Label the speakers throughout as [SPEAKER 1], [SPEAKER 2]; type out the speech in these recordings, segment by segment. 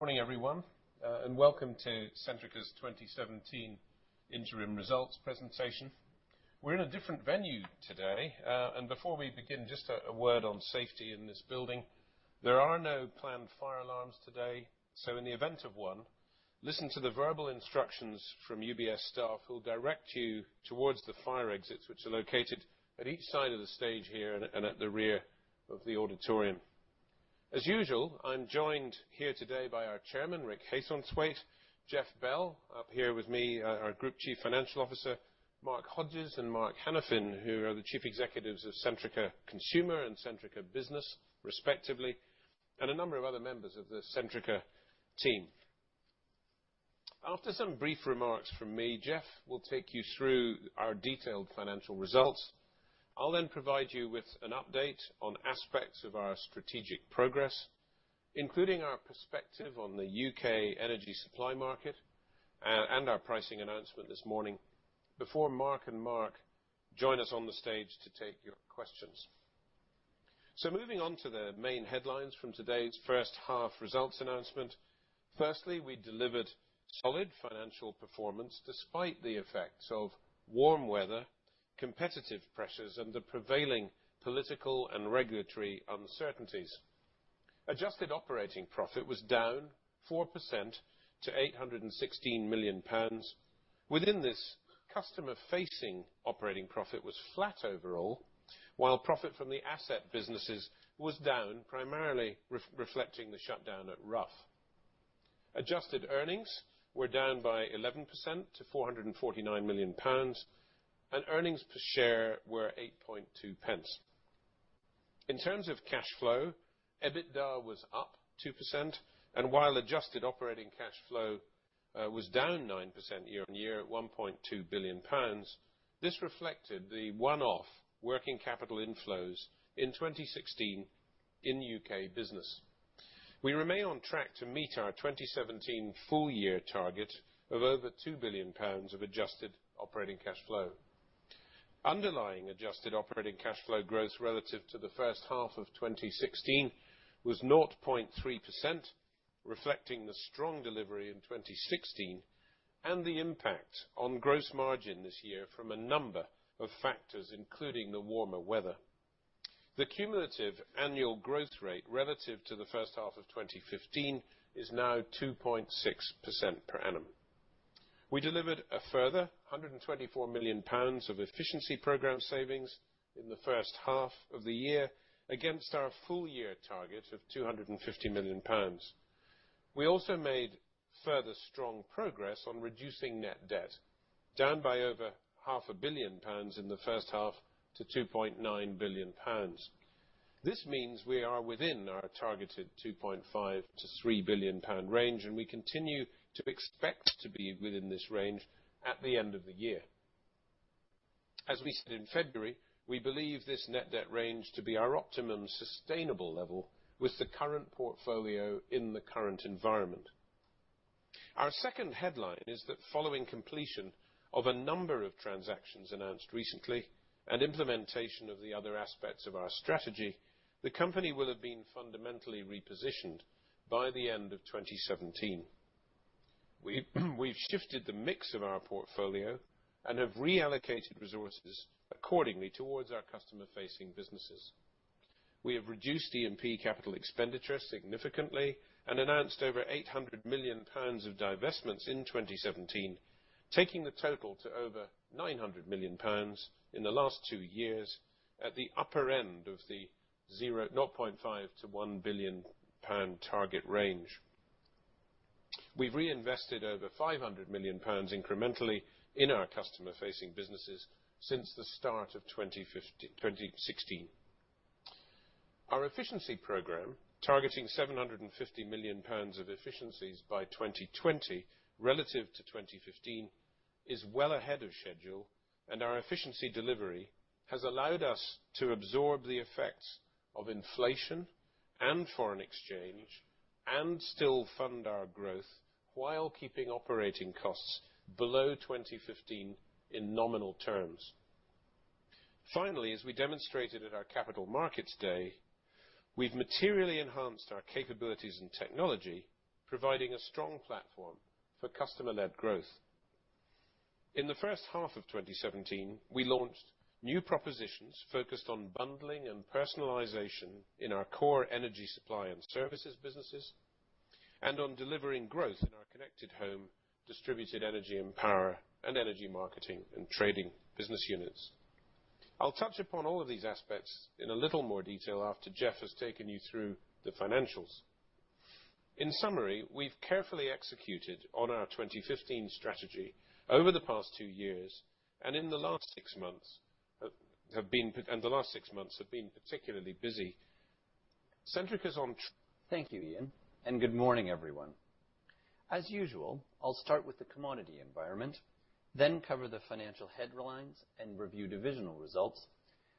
[SPEAKER 1] Morning, everyone, welcome to Centrica's 2017 interim results presentation. We're in a different venue today. Before we begin, just a word on safety in this building. There are no planned fire alarms today, so in the event of one, listen to the verbal instructions from UBS staff who'll direct you towards the fire exits, which are located at each side of the stage here and at the rear of the auditorium. As usual, I'm joined here today by our Chairman, Rick Haythornthwaite, Jeff Bell, up here with me our Group Chief Financial Officer, Mark Hodges and Mark Hanafin, who are the Chief Executives of Centrica Consumer and Centrica Business, respectively, and a number of other members of the Centrica team. After some brief remarks from me, Jeff will take you through our detailed financial results. I'll then provide you with an update on aspects of our strategic progress, including our perspective on the UK energy supply market and our pricing announcement this morning, before Mark and Mark join us on the stage to take your questions. Moving on to the main headlines from today's first half results announcement. Firstly, we delivered solid financial performance despite the effects of warm weather, competitive pressures, and the prevailing political and regulatory uncertainties. Adjusted operating profit was down 4% to 816 million pounds. Within this, customer-facing operating profit was flat overall, while profit from the asset businesses was down, primarily reflecting the shutdown at Rough. Adjusted earnings were down by 11% to 449 million pounds, and earnings per share were 0.082. In terms of cash flow, EBITDA was up 2% and while adjusted operating cash flow was down 9% year-over-year at 1.2 billion pounds, this reflected the one-off working capital inflows in 2016 in UK Business. We remain on track to meet our 2017 full year target of over 2 billion pounds of adjusted operating cash flow. Underlying adjusted operating cash flow growth relative to the first half of 2016 was 0.3%, reflecting the strong delivery in 2016 and the impact on gross margin this year from a number of factors, including the warmer weather. The cumulative annual growth rate relative to the first half of 2015 is now 2.6% per annum. We delivered a further 124 million pounds of efficiency program savings in the first half of the year against our full year target of 250 million pounds. We also made further strong progress on reducing net debt, down by over 500 billion pounds in the first half to 2.9 billion pounds. This means we are within our targeted 2.5 billion-3 billion pound range, and we continue to expect to be within this range at the end of the year. As we said in February, we believe this net debt range to be our optimum sustainable level with the current portfolio in the current environment. Our second headline is that following completion of a number of transactions announced recently and implementation of the other aspects of our strategy, the company will have been fundamentally repositioned by the end of 2017. We've shifted the mix of our portfolio and have reallocated resources accordingly towards our customer-facing businesses. We have reduced E&P CapEx significantly and announced over 800 million pounds of divestments in 2017, taking the total to over 900 million pounds in the last 2 years at the upper end of the 0.5 billion-1 billion pound target range. We've reinvested over 500 million pounds incrementally in our customer-facing businesses since the start of 2016. Our efficiency program, targeting 750 million pounds of efficiencies by 2020 relative to 2015, is well ahead of schedule, and our efficiency delivery has allowed us to absorb the effects of inflation and foreign exchange and still fund our growth while keeping operating costs below 2015 in nominal terms. Finally, as we demonstrated at our Capital Markets Day, we've materially enhanced our capabilities and technology, providing a strong platform for customer-led growth. In the first half of 2017, we launched new propositions focused on bundling and personalization in our core energy supply and services businesses and on delivering growth in our Connected Home, Distributed Energy & Power, and Energy Marketing & Trading business units. I'll touch upon all of these aspects in a little more detail after Jeff has taken you through the financials. In summary, we've carefully executed on our 2015 strategy over the past 2 years, and the last 6 months have been particularly busy. Centrica's on-
[SPEAKER 2] Thank you, Iain, and good morning, everyone. As usual, I'll start with the commodity environment, then cover the financial headlines and review divisional results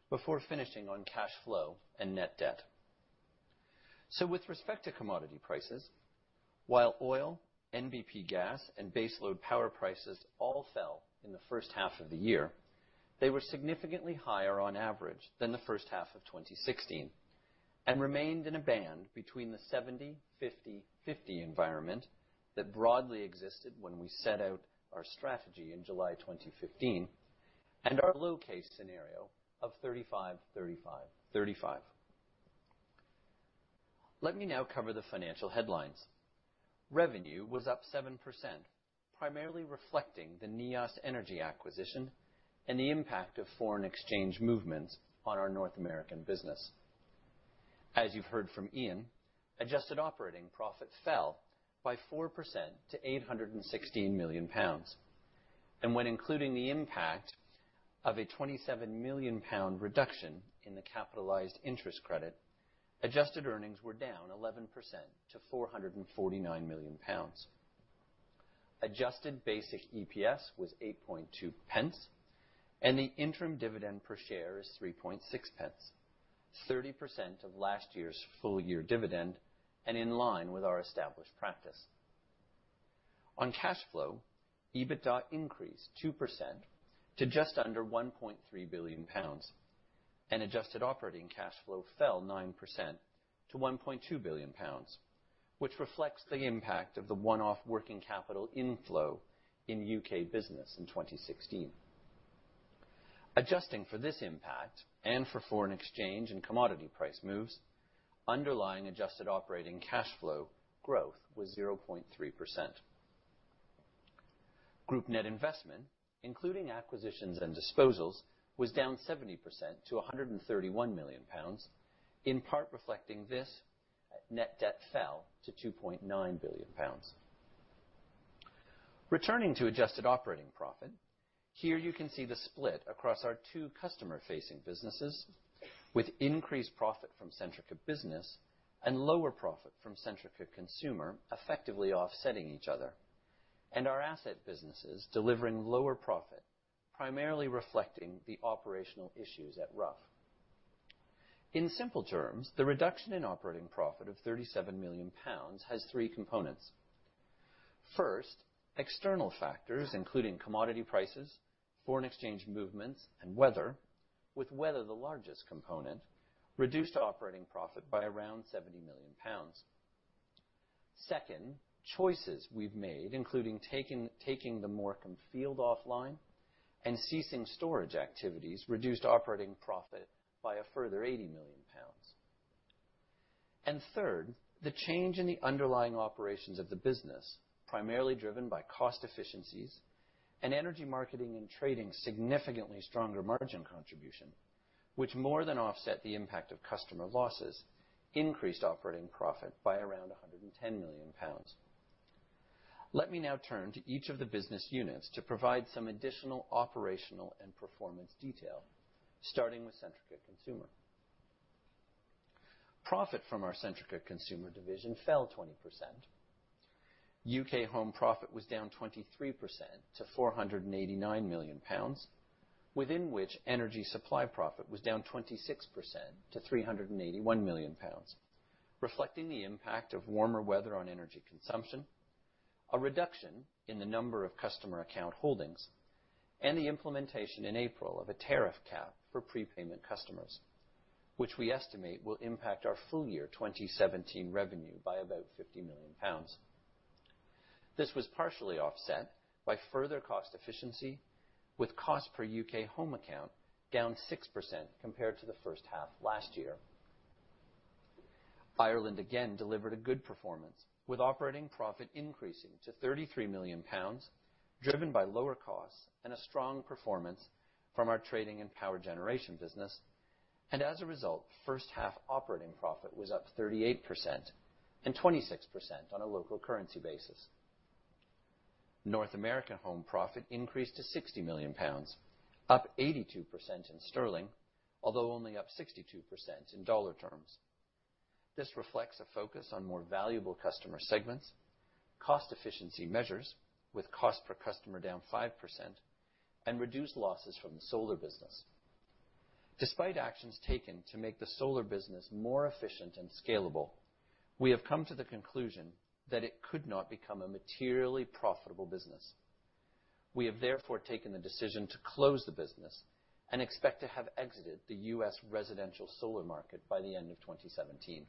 [SPEAKER 2] before finishing on cash flow and net debt. With respect to commodity prices, while oil, NBP gas, and base load power prices all fell in the first half of 2017, they were significantly higher on average than the first half of 2016, and remained in a band between the 70/50/50 environment that broadly existed when we set out our strategy in July 2015, and our low case scenario of 35/35/35. Let me now cover the financial headlines. Revenue was up 7%, primarily reflecting the Neas Energy acquisition and the impact of foreign exchange movements on our North America Business. As you've heard from Iain, adjusted operating profits fell by 4% to 816 million pounds. When including the impact of a 27 million pound reduction in the capitalized interest credit, adjusted earnings were down 11% to 449 million pounds. Adjusted basic EPS was 0.082, and the interim dividend per share is 0.036, 30% of last year's full year dividend and in line with our established practice. On cash flow, EBITDA increased 2% to just under 1.3 billion pounds, and adjusted operating cash flow fell 9% to 1.2 billion pounds, which reflects the impact of the one-off working capital inflow in UK Business in 2016. Adjusting for this impact and for foreign exchange and commodity price moves, underlying adjusted operating cash flow growth was 0.3%. Group net investment, including acquisitions and disposals, was down 70% to 131 million pounds, in part reflecting this, net debt fell to 2.9 billion pounds. Returning to adjusted operating profit, here you can see the split across our two customer-facing businesses with increased profit from Centrica Business and lower profit from Centrica Consumer effectively offsetting each other, and our asset businesses delivering lower profit, primarily reflecting the operational issues at Rough. In simple terms, the reduction in operating profit of 37 million pounds has three components. First, external factors including commodity prices, foreign exchange movements, and weather, with weather the largest component, reduced operating profit by around 70 million pounds. Second, choices we've made, including taking the Morecambe field offline and ceasing storage activities, reduced operating profit by a further 80 million pounds. Third, the change in the underlying operations of the business, primarily driven by cost efficiencies and energy marketing and trading significantly stronger margin contribution, which more than offset the impact of customer losses, increased operating profit by around 110 million pounds. Let me now turn to each of the business units to provide some additional operational and performance detail, starting with Centrica Consumer. Profit from our Centrica Consumer division fell 20%. UK Home profit was down 23% to 489 million pounds, within which energy supply profit was down 26% to 381 million pounds, reflecting the impact of warmer weather on energy consumption, a reduction in the number of customer account holdings, and the implementation in April of a tariff cap for prepayment customers, which we estimate will impact our full year 2017 revenue by about 50 million pounds. This was partially offset by further cost efficiency, with cost per UK Home account down 6% compared to the first half last year. Ireland again delivered a good performance, with operating profit increasing to 33 million pounds, driven by lower costs and a strong performance from our trading and power generation business. As a result, first half operating profit was up 38% and 26% on a local currency basis. North America Home profit increased to 60 million pounds, up 82% in GBP, although only up 62% in USD terms. This reflects a focus on more valuable customer segments, cost efficiency measures, with cost per customer down 5%, and reduced losses from the solar business. Despite actions taken to make the solar business more efficient and scalable, we have come to the conclusion that it could not become a materially profitable business. We have therefore taken the decision to close the business and expect to have exited the U.S. residential solar market by the end of 2017.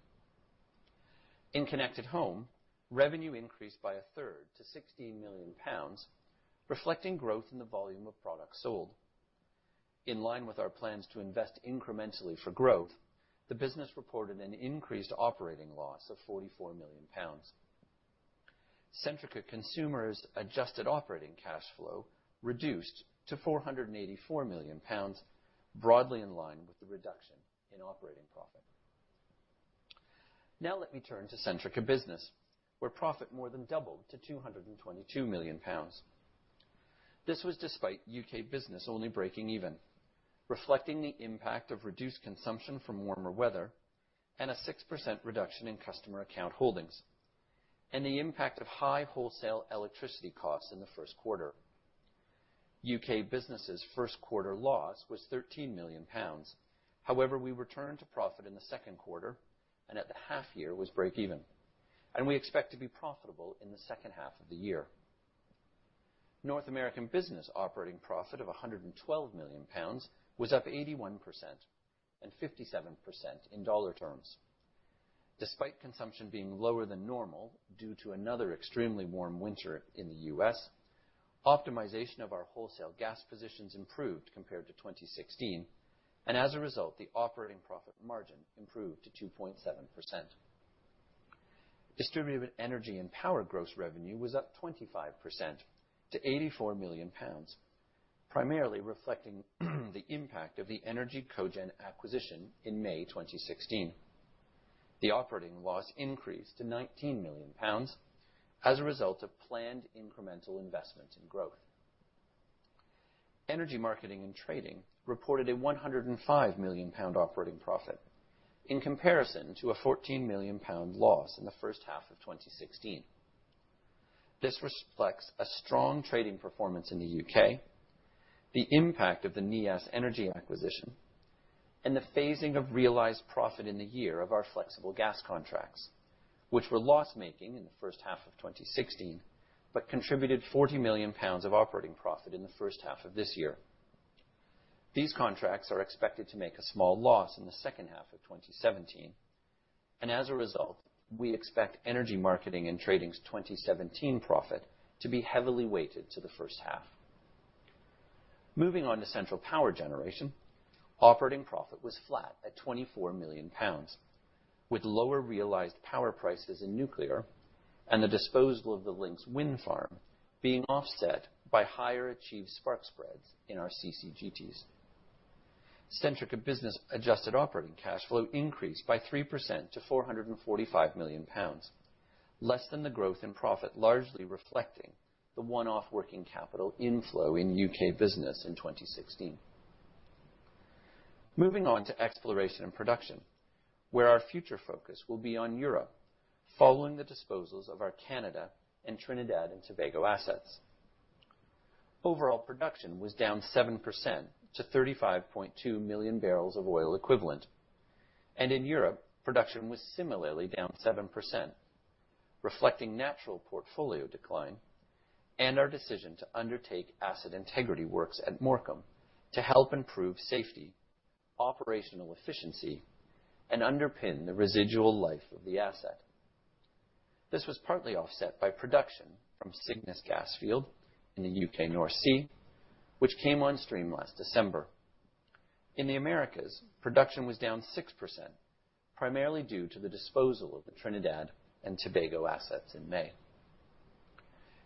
[SPEAKER 2] In Connected Home, revenue increased by a third to 16 million pounds, reflecting growth in the volume of products sold. In line with our plans to invest incrementally for growth, the business reported an increased operating loss of 44 million pounds. Centrica Consumer's adjusted operating cash flow reduced to 484 million pounds, broadly in line with the reduction in operating profit. Let me turn to Centrica Business, where profit more than doubled to 222 million pounds. This was despite UK Business only breaking even, reflecting the impact of reduced consumption from warmer weather and a 6% reduction in customer account holdings, and the impact of high wholesale electricity costs in the first quarter. UK Business's first quarter loss was 13 million pounds. However, we returned to profit in the second quarter, and at the half year was break even. We expect to be profitable in the second half of the year. North America Business operating profit of 112 million pounds was up 81% and 57% in dollar terms. Despite consumption being lower than normal due to another extremely warm winter in the U.S., optimization of our wholesale gas positions improved compared to 2016. As a result, the operating profit margin improved to 2.7%. Distributed Energy & Power gross revenue was up 25% to 84 million pounds, primarily reflecting the impact of the ENER-G Cogen acquisition in May 2016. The operating loss increased to 19 million pounds as a result of planned incremental investment in growth. Energy Marketing & Trading reported a 105 million pound operating profit in comparison to a 14 million pound loss in the first half of 2016. This reflects a strong trading performance in the U.K., the impact of the Neas Energy acquisition, and the phasing of realized profit in the year of our flexible gas contracts, which were loss-making in the first half of 2016, but contributed 40 million pounds of operating profit in the first half of this year. These contracts are expected to make a small loss in the second half of 2017. As a result, we expect Energy Marketing & Trading's 2017 profit to be heavily weighted to the first half. Moving on to central power generation, operating profit was flat at 24 million pounds, with lower realized power prices in nuclear and the disposal of the Lincs Wind Farm being offset by higher achieved spark spreads in our CCGTs. Centrica Business adjusted operating cash flow increased by 3% to 445 million pounds, less than the growth in profit, largely reflecting the one-off working capital inflow in UK Business in 2016. Moving on to Exploration & Production, where our future focus will be on Europe following the disposals of our Canada and Trinidad and Tobago assets. Overall production was down 7% to 35.2 million barrels of oil equivalent. In Europe, production was similarly down 7%, reflecting natural portfolio decline and our decision to undertake asset integrity works at Morecambe to help improve safety, operational efficiency, and underpin the residual life of the asset. This was partly offset by production from Cygnus gas field in the U.K. North Sea, which came on stream last December. In the Americas, production was down 6%, primarily due to the disposal of the Trinidad and Tobago assets in May.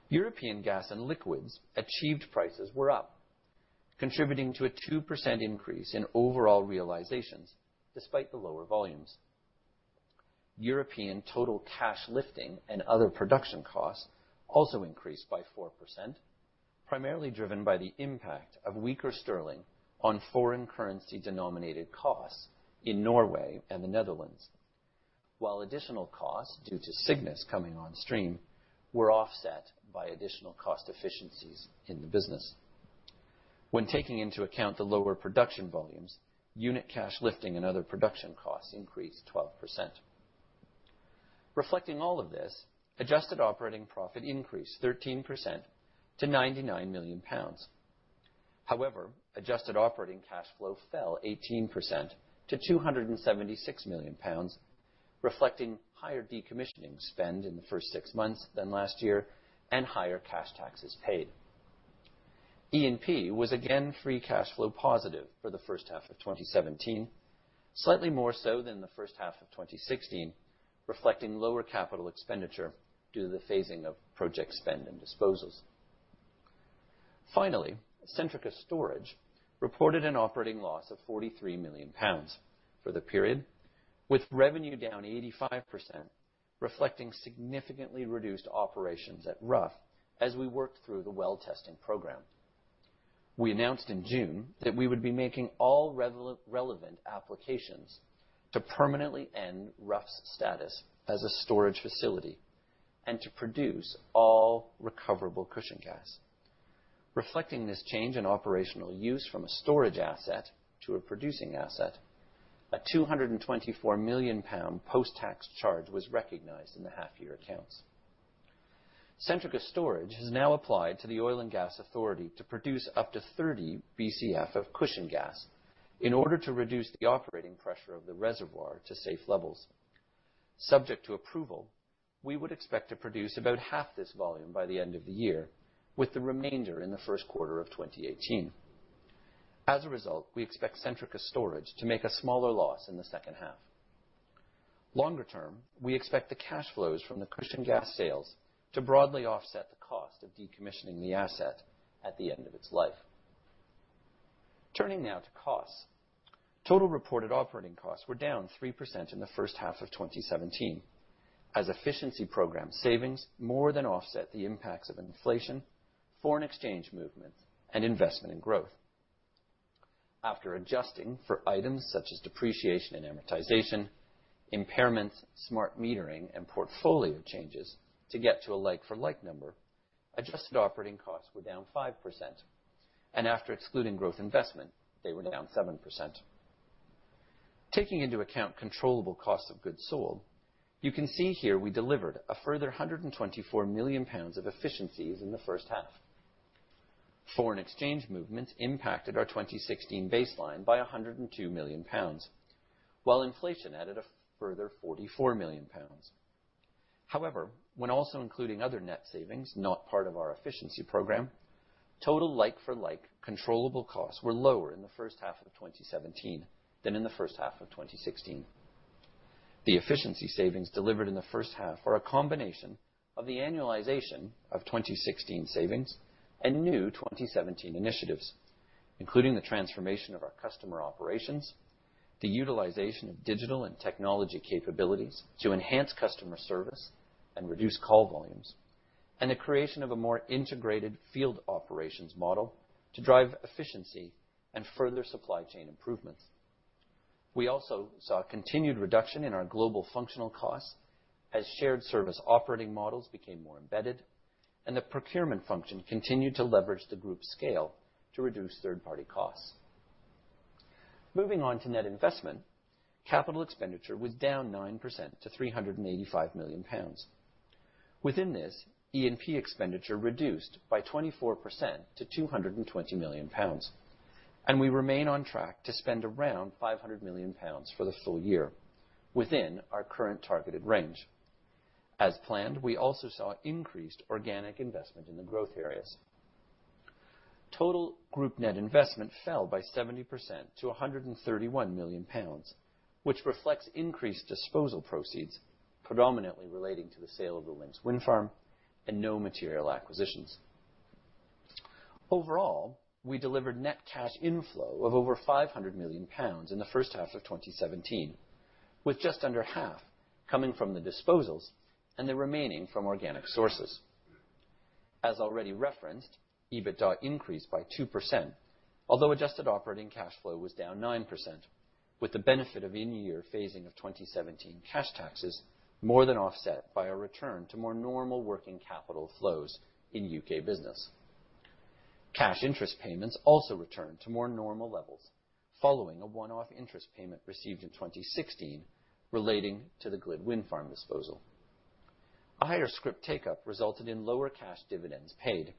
[SPEAKER 2] European gas and liquids achieved prices were up, contributing to a 2% increase in overall realizations despite the lower volumes. European total cash lifting and other production costs also increased by 4%, primarily driven by the impact of weaker sterling on foreign currency denominated costs in Norway and the Netherlands. While additional costs due to Cygnus coming on stream were offset by additional cost efficiencies in the business. When taking into account the lower production volumes, unit cash lifting and other production costs increased 12%. Reflecting all of this, adjusted operating profit increased 13% to 99 million pounds. However, adjusted operating cash flow fell 18% to 276 million pounds, reflecting higher decommissioning spend in the first six months than last year and higher cash taxes paid. E&P was again free cash flow positive for the first half of 2017, slightly more so than the first half of 2016, reflecting lower capital expenditure due to the phasing of project spend and disposals. Finally, Centrica Storage reported an operating loss of 43 million pounds for the period, with revenue down 85%, reflecting significantly reduced operations at Rough as we worked through the well-testing program. We announced in June that we would be making all relevant applications to permanently end Rough's status as a storage facility and to produce all recoverable cushion gas. Reflecting this change in operational use from a storage asset to a producing asset, a 224 million pound post-tax charge was recognized in the half-year accounts. Centrica Storage has now applied to the Oil and Gas Authority to produce up to 30 BCF of cushion gas in order to reduce the operating pressure of the reservoir to safe levels. Subject to approval, we would expect to produce about half this volume by the end of the year, with the remainder in the first quarter of 2018. As a result, we expect Centrica Storage to make a smaller loss in the second half. Longer term, we expect the cash flows from the cushion gas sales to broadly offset the cost of decommissioning the asset at the end of its life. Turning now to costs. Total reported operating costs were down 3% in the first half of 2017, as efficiency program savings more than offset the impacts of inflation, foreign exchange movement, and investment in growth. After adjusting for items such as depreciation and amortization, impairments, smart metering, and portfolio changes to get to a like-for-like number, adjusted operating costs were down 5%, and after excluding growth investment, they were down 7%. Taking into account controllable costs of goods sold, you can see here we delivered a further 124 million pounds of efficiencies in the first half. Foreign exchange movements impacted our 2016 baseline by 102 million pounds, while inflation added a further 44 million pounds. When also including other net savings, not part of our efficiency program, total like-for-like controllable costs were lower in the first half of 2017 than in the first half of 2016. The efficiency savings delivered in the first half are a combination of the annualization of 2016 savings and new 2017 initiatives, including the transformation of our customer operations, the utilization of digital and technology capabilities to enhance customer service and reduce call volumes, and the creation of a more integrated field operations model to drive efficiency and further supply chain improvements. We also saw a continued reduction in our global functional costs as shared service operating models became more embedded, and the procurement function continued to leverage the group's scale to reduce third-party costs. Moving on to net investment, capital expenditure was down 9% to 385 million pounds. Within this, E&P expenditure reduced by 24% to 220 million pounds, and we remain on track to spend around 500 million pounds for the full year, within our current targeted range. As planned, we also saw increased organic investment in the growth areas. Total group net investment fell by 70% to 131 million pounds, which reflects increased disposal proceeds predominantly relating to the sale of the Lincs Wind Farm and no material acquisitions. Overall, we delivered net cash inflow of over 500 million pounds in the first half of 2017, with just under half coming from the disposals and the remaining from organic sources. As already referenced, EBITDA increased by 2%, although adjusted operating cash flow was down 9%, with the benefit of in-year phasing of 2017 cash taxes more than offset by a return to more normal working capital flows in UK Business. Cash interest payments also returned to more normal levels following a one-off interest payment received in 2016 relating to the GLID Wind Farm disposal. A higher scrip take-up resulted in lower cash dividends paid,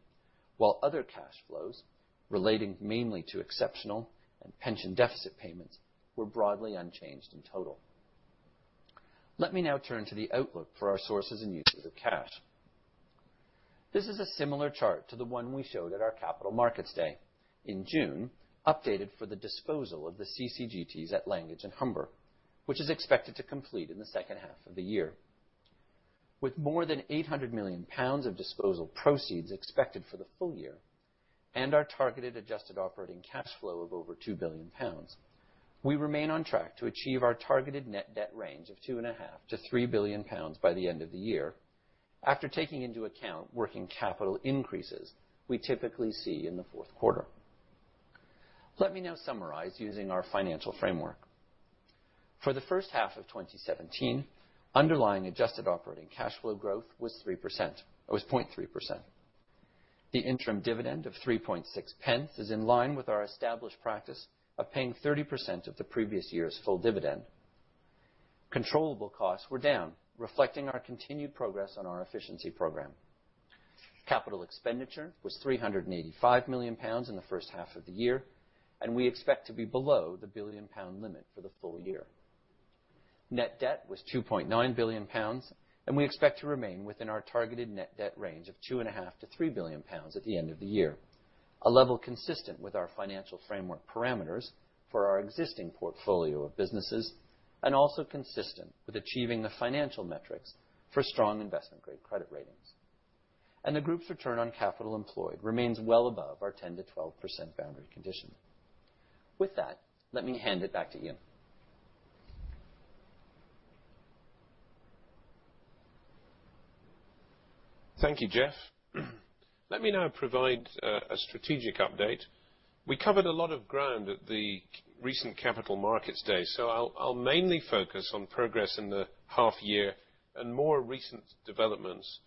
[SPEAKER 2] while other cash flows relating mainly to exceptional and pension deficit payments were broadly unchanged in total. Let me now turn to the outlook for our sources and uses of cash. This is a similar chart to the one we showed at our Capital Markets Day in June, updated for the disposal of the CCGTs at Langage and Humber, which is expected to complete in the second half of the year. With more than 800 million pounds of disposal proceeds expected for the full year and our targeted adjusted operating cash flow of over 2 billion pounds, we remain on track to achieve our targeted net debt range of 2.5 billion-3 billion pounds by the end of the year after taking into account working capital increases we typically see in the fourth quarter. Let me now summarize using our financial framework. For the first half of 2017, underlying adjusted operating cash flow growth was 0.3%. The interim dividend of 0.036 is in line with our established practice of paying 30% of the previous year's full dividend. Controllable costs were down, reflecting our continued progress on our efficiency program. Capital expenditure was 385 million pounds in the first half of the year, and we expect to be below the 1 billion pound limit for the full year. Net debt was 2.9 billion pounds, and we expect to remain within our targeted net debt range of 2.5 billion-3 billion pounds at the end of the year, a level consistent with our financial framework parameters for our existing portfolio of businesses and also consistent with achieving the financial metrics for strong investment-grade credit ratings. The group's return on capital employed remains well above our 10%-12% boundary condition. With that, let me hand it back to Iain.
[SPEAKER 1] Thank you, Jeff. Let me now provide a strategic update. We covered a lot of ground at the recent Capital Markets Day, so I'll mainly focus on progress in the half year and more recent developments.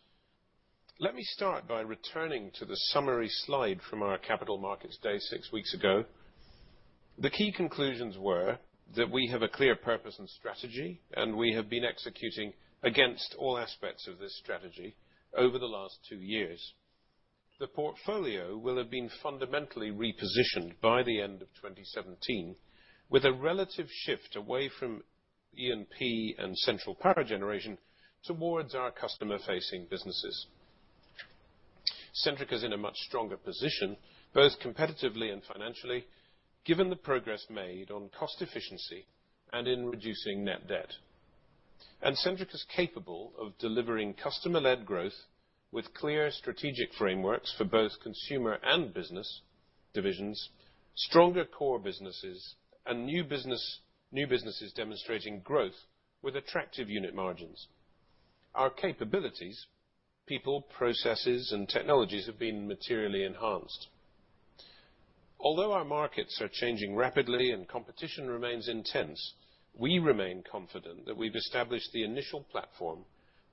[SPEAKER 1] Let me start by returning to the summary slide from our Capital Markets Day 6 weeks ago. The key conclusions were that we have a clear purpose and strategy, and we have been executing against all aspects of this strategy over the last 2 years. The portfolio will have been fundamentally repositioned by the end of 2017 with a relative shift away from E&P and central power generation towards our customer-facing businesses. Centrica is in a much stronger position, both competitively and financially, given the progress made on cost efficiency and in reducing net debt. Centrica is capable of delivering customer-led growth with clear strategic frameworks for both consumer and business divisions, stronger core businesses, and new businesses demonstrating growth with attractive unit margins. Our capabilities, people, processes, and technologies have been materially enhanced. Although our markets are changing rapidly and competition remains intense, we remain confident that we've established the initial platform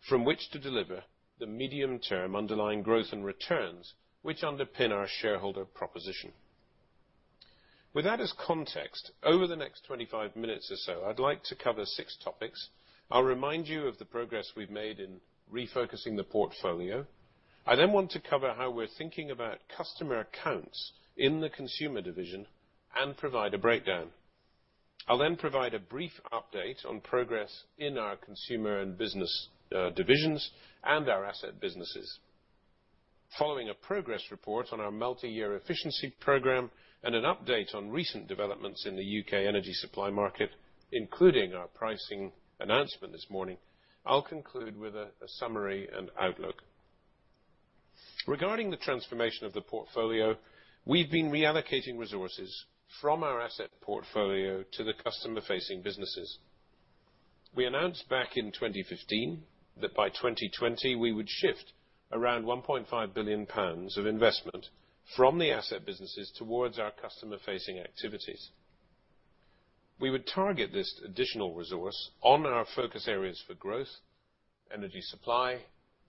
[SPEAKER 1] from which to deliver the medium-term underlying growth and returns, which underpin our shareholder proposition. With that as context, over the next 25 minutes or so, I'd like to cover 6 topics. I'll remind you of the progress we've made in refocusing the portfolio. I then want to cover how we're thinking about customer accounts in the consumer division and provide a breakdown. I'll then provide a brief update on progress in our consumer and business divisions and our asset businesses. Following a progress report on our multi-year efficiency program and an update on recent developments in the U.K. energy supply market, including our pricing announcement this morning, I'll conclude with a summary and outlook. Regarding the transformation of the portfolio, we've been reallocating resources from our asset portfolio to the customer-facing businesses. We announced back in 2015 that by 2020 we would shift around 1.5 billion pounds of investment from the asset businesses towards our customer-facing activities. We would target this additional resource on our focus areas for growth, energy supply,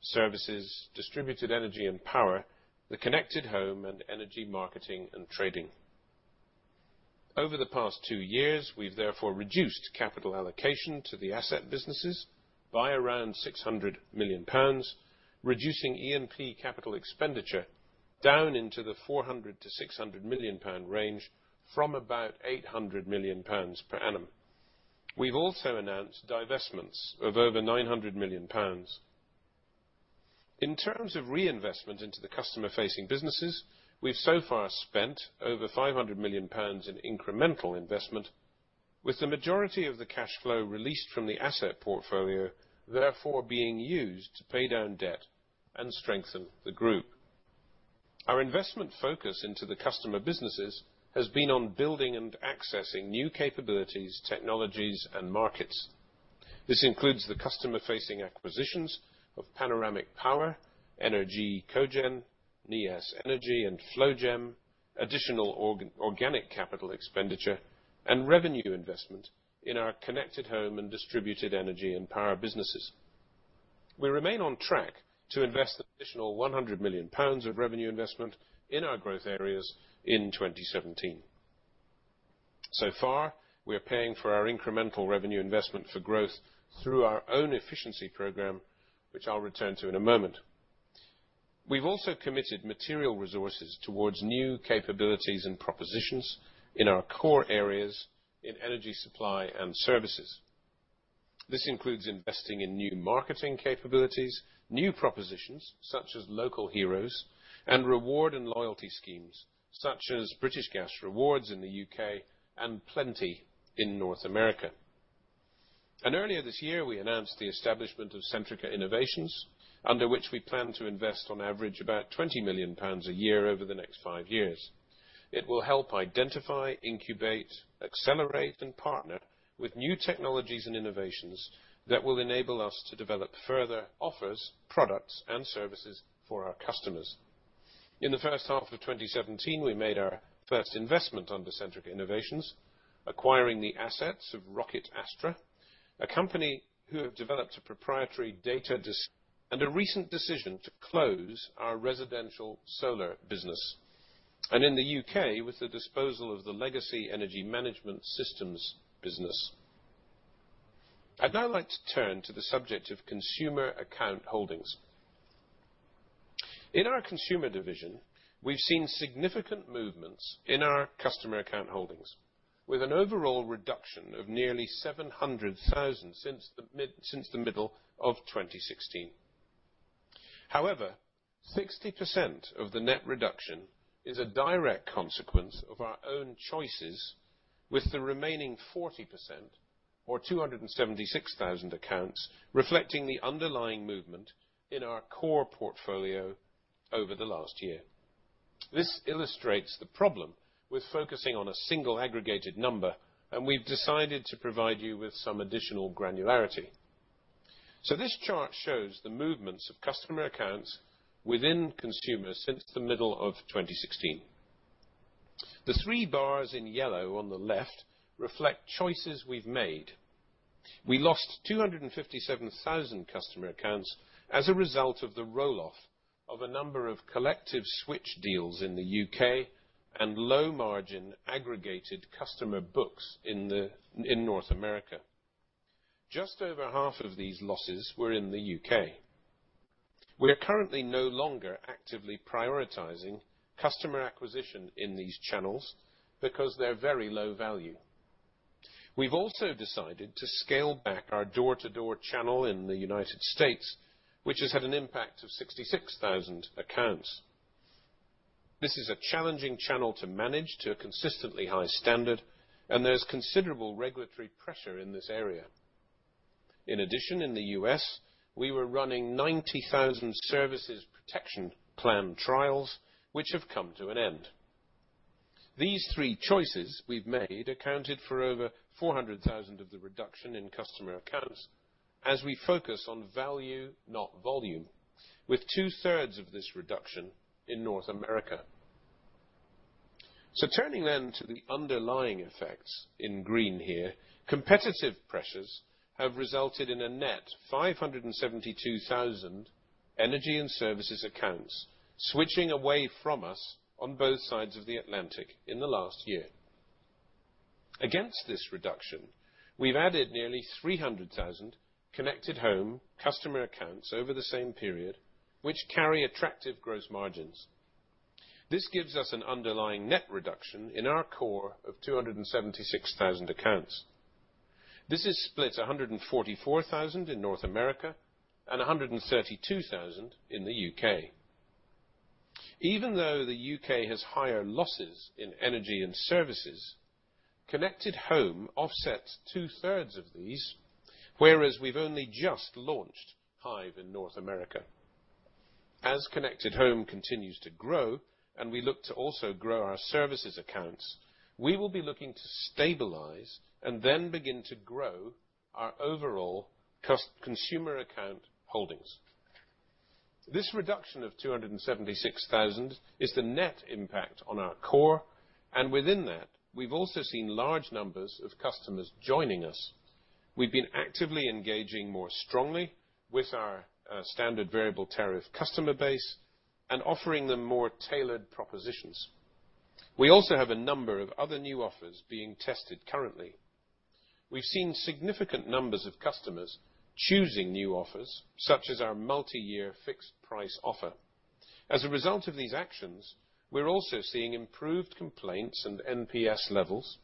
[SPEAKER 1] services, Distributed Energy & Power, the Connected Home, and Energy Marketing & Trading. Over the past 2 years, we've therefore reduced capital allocation to the asset businesses by around 600 million pounds, reducing E&P capital expenditure down into the 400 million-600 million pound range from about 800 million pounds per annum. We've also announced divestments of over 900 million pounds. In terms of reinvestment into the customer-facing businesses, we've so far spent over 500 million pounds in incremental investment, with the majority of the cash flow released from the asset portfolio, therefore being used to pay down debt and strengthen the group. Our investment focus into the customer businesses has been on building and accessing new capabilities, technologies, and markets. This includes the customer-facing acquisitions of Panoramic Power, ENER-G Cogen, Neas Energy, and FlowGem, additional organic capital expenditure, and revenue investment in our Connected Home and Distributed Energy & Power businesses. We remain on track to invest an additional 100 million pounds of revenue investment in our growth areas in 2017. We are paying for our incremental revenue investment for growth through our own efficiency program, which I'll return to in a moment. We've also committed material resources towards new capabilities and propositions in our core areas in energy supply and services. This includes investing in new marketing capabilities, new propositions such as Local Heroes, and reward and loyalty schemes such as British Gas Rewards in the U.K. and Plenty in North America. Earlier this year, we announced the establishment of Centrica Innovations, under which we plan to invest on average about 20 million pounds a year over the next five years. It will help identify, incubate, accelerate, and partner with new technologies and innovations that will enable us to develop further offers, products, and services for our customers. In the first half of 2017, we made our first investment under Centrica Innovations, acquiring the assets of Rokitt Astra, a company who have developed a proprietary data. A recent decision to close our residential solar business. In the U.K., with the disposal of the legacy energy management systems business. I'd now like to turn to the subject of consumer account holdings. In our Consumer division, we've seen significant movements in our customer account holdings with an overall reduction of nearly 700,000 since the middle of 2016. However, 60% of the net reduction is a direct consequence of our own choices, with the remaining 40%, or 276,000 accounts, reflecting the underlying movement in our core portfolio over the last year. This illustrates the problem with focusing on a single aggregated number, and we've decided to provide you with some additional granularity. This chart shows the movements of customer accounts within Consumer since the middle of 2016. The three bars in yellow on the left reflect choices we've made. We lost 257,000 customer accounts as a result of the roll-off of a number of collective switch deals in the U.K. and low-margin aggregated customer books in North America. Just over half of these losses were in the U.K. We are currently no longer actively prioritizing customer acquisition in these channels because they're very low value. We've also decided to scale back our door-to-door channel in the United States, which has had an impact of 66,000 accounts. This is a challenging channel to manage to a consistently high standard, and there's considerable regulatory pressure in this area. In addition, in the U.S., we were running 90,000 services protection plan trials, which have come to an end. These three choices we've made accounted for over 400,000 of the reduction in customer accounts as we focus on value, not volume, with two-thirds of this reduction in North America. Turning then to the underlying effects in green here, competitive pressures have resulted in a net 572,000 energy and services accounts switching away from us on both sides of the Atlantic in the last year. Against this reduction, we've added nearly 300,000 Connected Home customer accounts over the same period, which carry attractive gross margins. This gives us an underlying net reduction in our core of 276,000 accounts. This is split 144,000 in North America and 132,000 in the U.K. Even though the U.K. has higher losses in energy and services, Connected Home offsets two-thirds of these, whereas we've only just launched Hive in North America. As Connected Home continues to grow and we look to also grow our services accounts, we will be looking to stabilize and then begin to grow our overall consumer account holdings. This reduction of 276,000 is the net impact on our core, and within that, we've also seen large numbers of customers joining us. We've been actively engaging more strongly with our standard variable tariff customer base and offering them more tailored propositions. We also have a number of other new offers being tested currently. We've seen significant numbers of customers choosing new offers, such as our multi-year fixed price offer. As a result of these actions, we're also seeing improved complaints and NPS levels,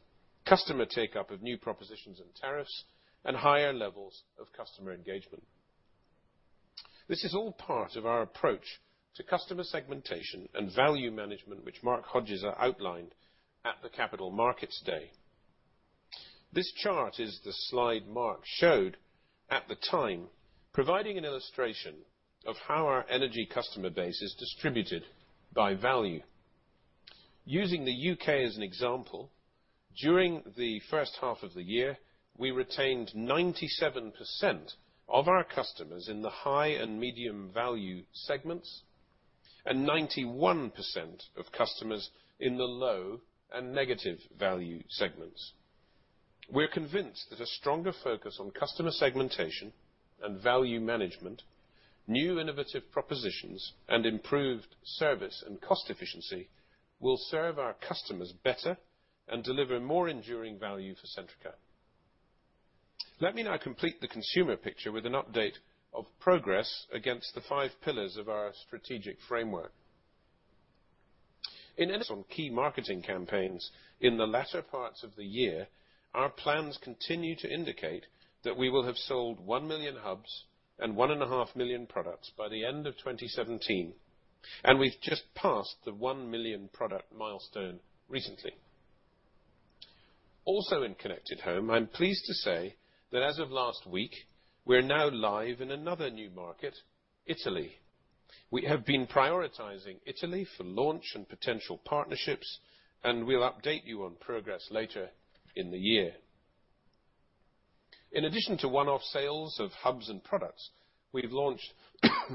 [SPEAKER 1] customer take-up of new propositions and tariffs, and higher levels of customer engagement. This is all part of our approach to customer segmentation and value management, which Mark Hodges outlined at the Capital Markets Day. This chart is the slide Mark showed at the time, providing an illustration of how our energy customer base is distributed by value. Using the U.K. as an example, during the first half of the year, we retained 97% of our customers in the high and medium value segments and 91% of customers in the low and negative value segments. We're convinced that a stronger focus on customer segmentation and value management, new innovative propositions, and improved service and cost efficiency will serve our customers better and deliver more enduring value for Centrica. Let me now complete the consumer picture with an update of progress against the five pillars of our strategic framework. In some key marketing campaigns in the latter parts of the year, our plans continue to indicate that we will have sold 1 million hubs and 1.5 million products by the end of 2017, and we've just passed the 1 million product milestone recently. Also, in Connected Home, I'm pleased to say that as of last week, we're now live in another new market, Italy. We have been prioritizing Italy for launch and potential partnerships, and we'll update you on progress later in the year. In addition to one-off sales of hubs and products, we've launched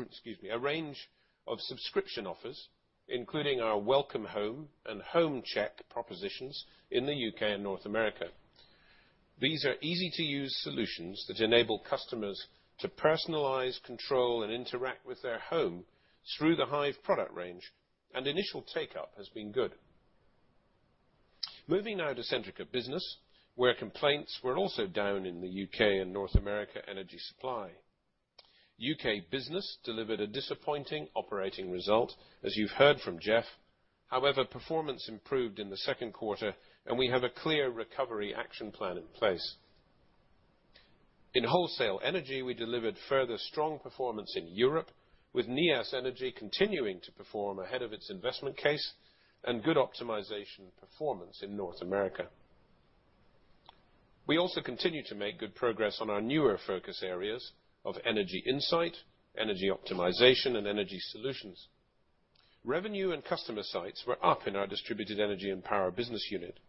[SPEAKER 1] excuse me, a range of subscription offers, including our Welcome Home and Home Check propositions in the U.K. and North America. These are easy-to-use solutions that enable customers to personalize, control, and interact with their home through the Hive product range, and initial take-up has been good. Moving now to Centrica Business, where complaints were also down in the U.K. and North America energy supply. UK Business delivered a disappointing operating result, as you've heard from Jeff. However, performance improved in the second quarter, and we have a clear recovery action plan in place. In wholesale energy, we delivered further strong performance in Europe with Neas Energy continuing to perform ahead of its investment case and good optimization performance in North America. We also continue to make good progress on our newer focus areas of energy insight, energy optimization, and energy solutions. Revenue and customer sites were up in our Distributed Energy & Power business unit.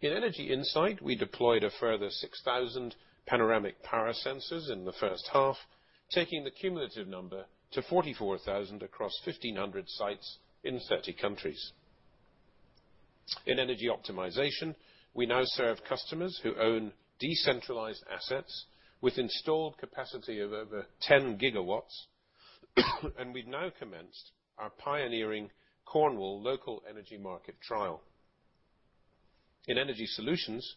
[SPEAKER 1] In energy insight, we deployed a further 6,000 Panoramic Power sensors in the first half, taking the cumulative number to 44,000 across 1,500 sites in 30 countries. In energy optimization, we now serve customers who own decentralized assets with installed capacity of over 10 gigawatts, and we've now commenced our pioneering Cornwall Local Energy Market trial. In energy solutions,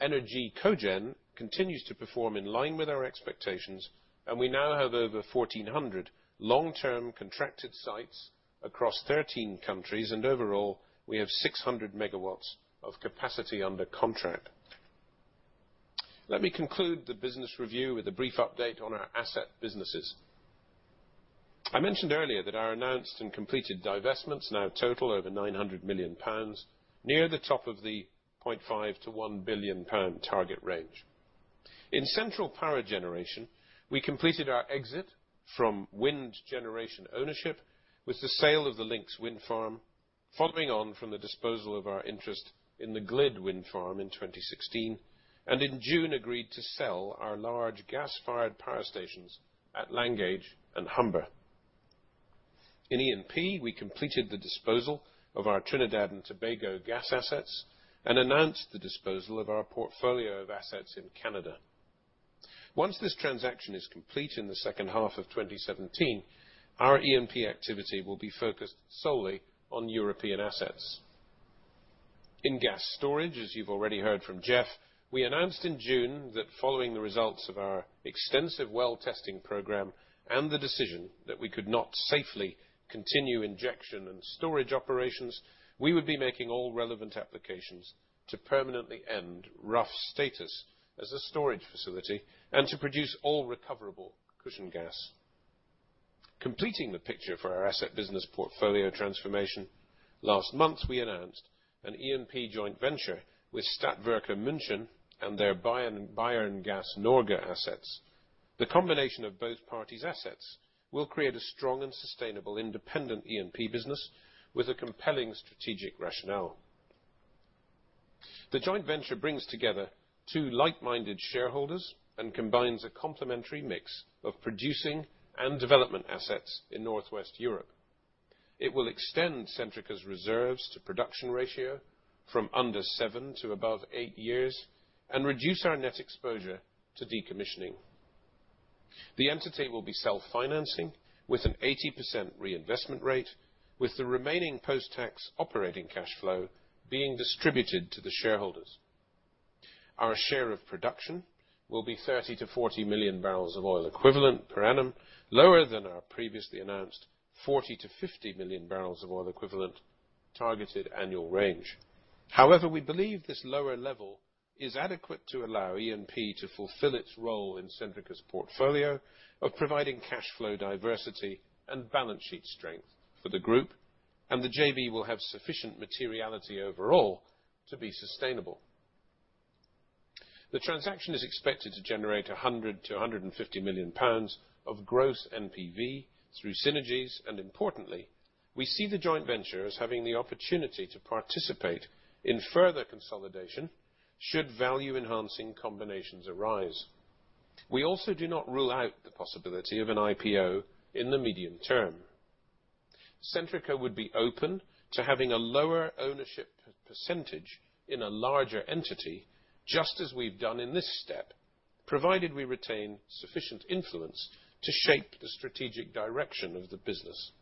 [SPEAKER 1] ENER-G Cogen continues to perform in line with our expectations, and we now have over 1,400 long-term contracted sites across 13 countries, and overall, we have 600 MW of capacity under contract. Let me conclude the business review with a brief update on our asset businesses. I mentioned earlier that our announced and completed divestments now total over 900 million pounds, near the top of the 0.5 billion-1 billion pound target range. In Central Power Generation, we completed our exit from wind generation ownership with the sale of the Lincs Wind Farm following on from the disposal of our interest in the GLID wind farm in 2016, and in June, agreed to sell our large gas-fired power stations at Langage and Humber. In E&P, we completed the disposal of our Trinidad and Tobago gas assets and announced the disposal of our portfolio of assets in Canada. Once this transaction is complete in the second half of 2017, our E&P activity will be focused solely on European assets. In gas storage, as you've already heard from Jeff, we announced in June that following the results of our extensive well testing program and the decision that we could not safely continue injection and storage operations, we would be making all relevant applications to permanently end Rough status as a storage facility and to produce all recoverable cushion gas. Completing the picture for our asset business portfolio transformation, last month, we announced an E&P joint venture with Stadtwerke München and their Bayerngas Norge assets. The combination of both parties' assets will create a strong and sustainable independent E&P business with a compelling strategic rationale. The joint venture brings together two like-minded shareholders and combines a complementary mix of producing and development assets in Northwest Europe. It will extend Centrica's reserves to production ratio from under seven to above eight years and reduce our net exposure to decommissioning. The entity will be self-financing with an 80% reinvestment rate, with the remaining post-tax operating cash flow being distributed to the shareholders. Our share of production will be 30 million-40 million barrels of oil equivalent per annum, lower than our previously announced 40 million-50 million barrels of oil equivalent targeted annual range. However, we believe this lower level is adequate to allow E&P to fulfill its role in Centrica's portfolio of providing cash flow diversity and balance sheet strength for the group, and the JV will have sufficient materiality overall to be sustainable. The transaction is expected to generate 100 million-150 million pounds of gross NPV through synergies, and importantly, we see the joint venture as having the opportunity to participate in further consolidation should value-enhancing combinations arise. We also do not rule out the possibility of an IPO in the medium term. Centrica would be open to having a lower ownership percentage in a larger entity, just as we've done in this step, provided we retain sufficient influence to shape the strategic direction of the business.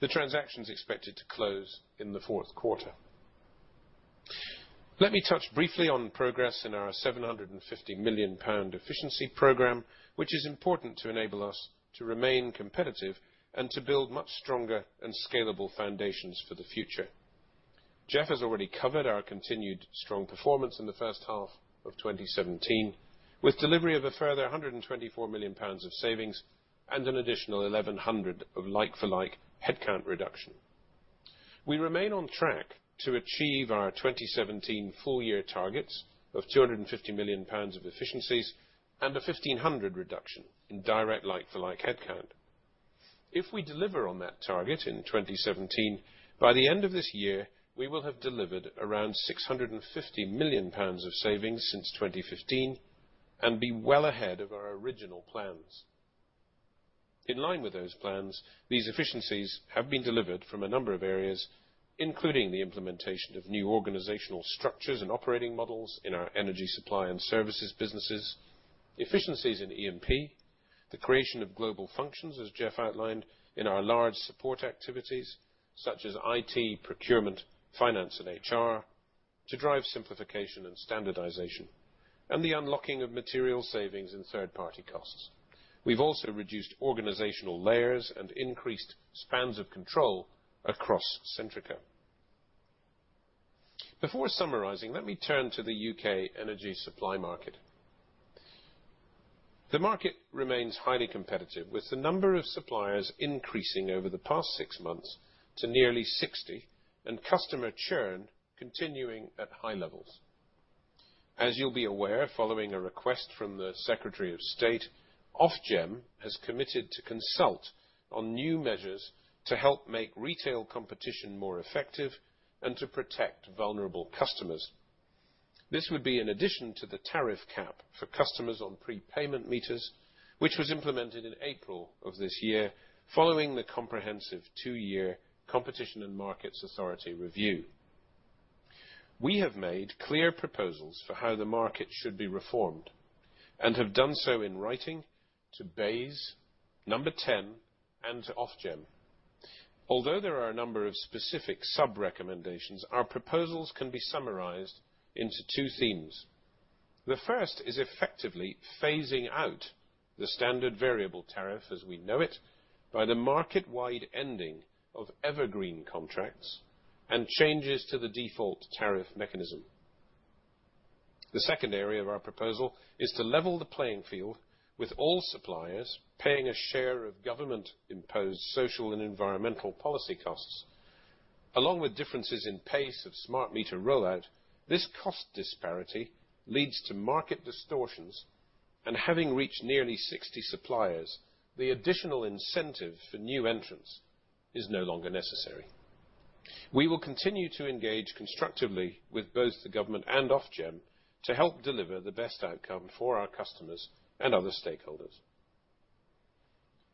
[SPEAKER 1] The transaction is expected to close in the fourth quarter. Let me touch briefly on progress in our 750 million pound efficiency program, which is important to enable us to remain competitive and to build much stronger and scalable foundations for the future. Jeff has already covered our continued strong performance in the first half of 2017, with delivery of a further 124 million pounds of savings and an additional 1,100 of like-for-like headcount reduction. We remain on track to achieve our 2017 full-year targets of 250 million pounds of efficiencies and a 1,500 reduction in direct like-for-like headcount. If we deliver on that target in 2017, by the end of this year, we will have delivered around 650 million pounds of savings since 2015 and be well ahead of our original plans. In line with those plans, these efficiencies have been delivered from a number of areas, including the implementation of new organizational structures and operating models in our energy supply and services businesses, efficiencies in E&P, the creation of global functions, as Jeff outlined in our large support activities such as IT, procurement, finance, and HR to drive simplification and standardization, and the unlocking of material savings and third-party costs. We've also reduced organizational layers and increased spans of control across Centrica. Before summarizing, let me turn to the U.K. energy supply market. The market remains highly competitive, with the number of suppliers increasing over the past six months to nearly 60 and customer churn continuing at high levels. As you'll be aware, following a request from the Secretary of State, Ofgem has committed to consult on new measures to help make retail competition more effective and to protect vulnerable customers. This would be in addition to the tariff cap for customers on prepayment meters, which was implemented in April of this year following the comprehensive two-year Competition and Markets Authority review. We have made clear proposals for how the market should be reformed and have done so in writing to BEIS, Number 10, and to Ofgem. Although there are a number of specific sub-recommendations, our proposals can be summarized into two themes. The first is effectively phasing out the standard variable tariff as we know it by the market-wide ending of evergreen contracts and changes to the default tariff mechanism. The second area of our proposal is to level the playing field with all suppliers paying a share of government-imposed social and environmental policy costs. Along with differences in pace of smart meter rollout, this cost disparity leads to market distortions, and having reached nearly 60 suppliers, the additional incentive for new entrants is no longer necessary. We will continue to engage constructively with both the government and Ofgem to help deliver the best outcome for our customers and other stakeholders.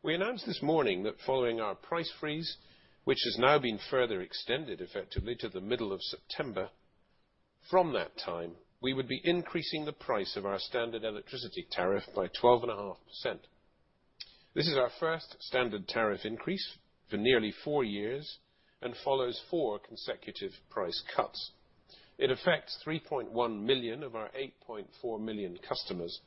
[SPEAKER 1] We announced this morning that following our price freeze, which has now been further extended effectively to the middle of September, from that time, we would be increasing the price of our standard electricity tariff by 12.5%. This is our first standard tariff increase for nearly four years and follows four consecutive price cuts. It affects 3.1 million of our 8.4 million customers.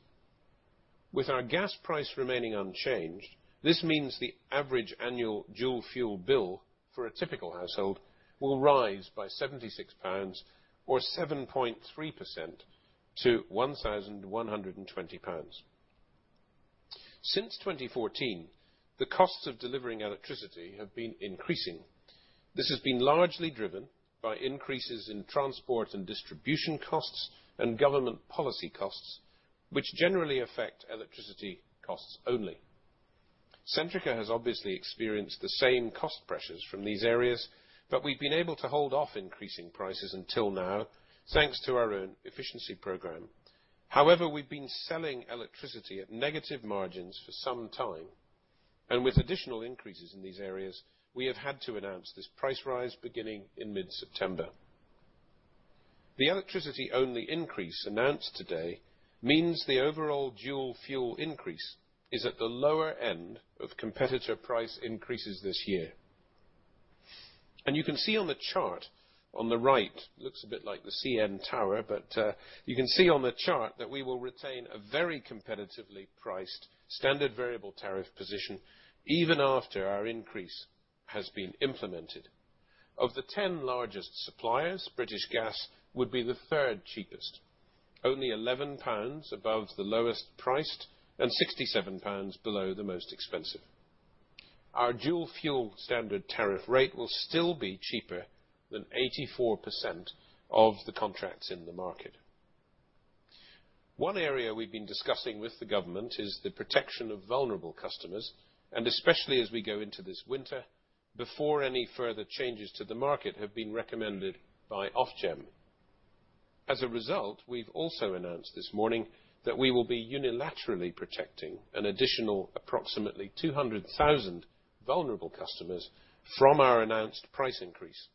[SPEAKER 1] With our gas price remaining unchanged, this means the average annual dual fuel bill for a typical household will rise by 76 pounds or 7.3% to 1,120 pounds. Since 2014, the costs of delivering electricity have been increasing. This has been largely driven by increases in transport and distribution costs and government policy costs, which generally affect electricity costs only. Centrica has obviously experienced the same cost pressures from these areas, but we've been able to hold off increasing prices until now thanks to our own efficiency program. However, we've been selling electricity at negative margins for some time, and with additional increases in these areas, we have had to announce this price rise beginning in mid-September. The electricity-only increase announced today means the overall dual fuel increase is at the lower end of competitor price increases this year. You can see on the chart on the right, looks a bit like the CN Tower, you can see on the chart that we will retain a very competitively priced standard variable tariff position even after our increase has been implemented. Of the 10 largest suppliers, British Gas would be the third cheapest, only 11 pounds above the lowest priced and 67 pounds below the most expensive. Our dual fuel standard tariff rate will still be cheaper than 84% of the contracts in the market. One area we've been discussing with the government is the protection of vulnerable customers, and especially as we go into this winter, before any further changes to the market have been recommended by Ofgem. As a result, we've also announced this morning that we will be unilaterally protecting an additional approximately 200,000 vulnerable customers from our announced price increase.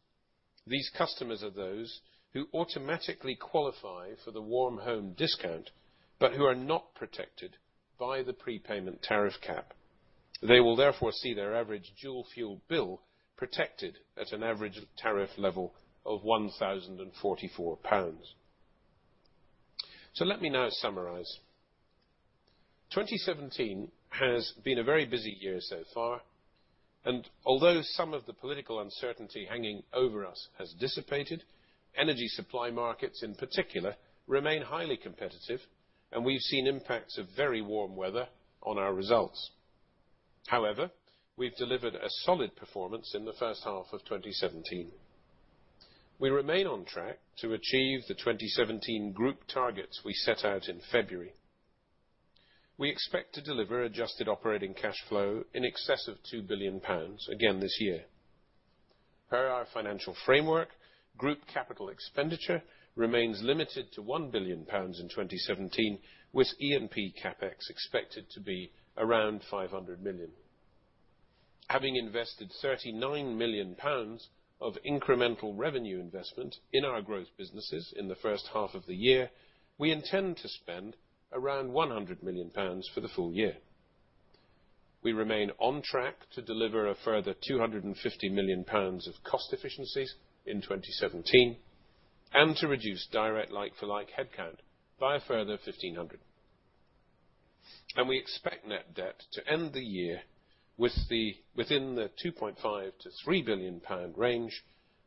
[SPEAKER 1] These customers are those who automatically qualify for the Warm Home Discount, but who are not protected by the prepayment tariff cap. They will therefore see their average dual fuel bill protected at an average tariff level of 1,044 pounds. Let me now summarize. 2017 has been a very busy year so far, and although some of the political uncertainty hanging over us has dissipated, energy supply markets in particular remain highly competitive, and we've seen impacts of very warm weather on our results. However, we've delivered a solid performance in the first half of 2017. We remain on track to achieve the 2017 group targets we set out in February. We expect to deliver adjusted operating cash flow in excess of 2 billion pounds again this year. Per our financial framework, group capital expenditure remains limited to 1 billion pounds in 2017, with E&P CapEx expected to be around 500 million. Having invested 39 million pounds of incremental revenue investment in our growth businesses in the first half of the year, we intend to spend around 100 million pounds for the full year. We remain on track to deliver a further 250 million pounds of cost efficiencies in 2017 and to reduce direct like-for-like headcount by a further 1,500. We expect net debt to end the year within the 2.5 billion-3 billion pound range,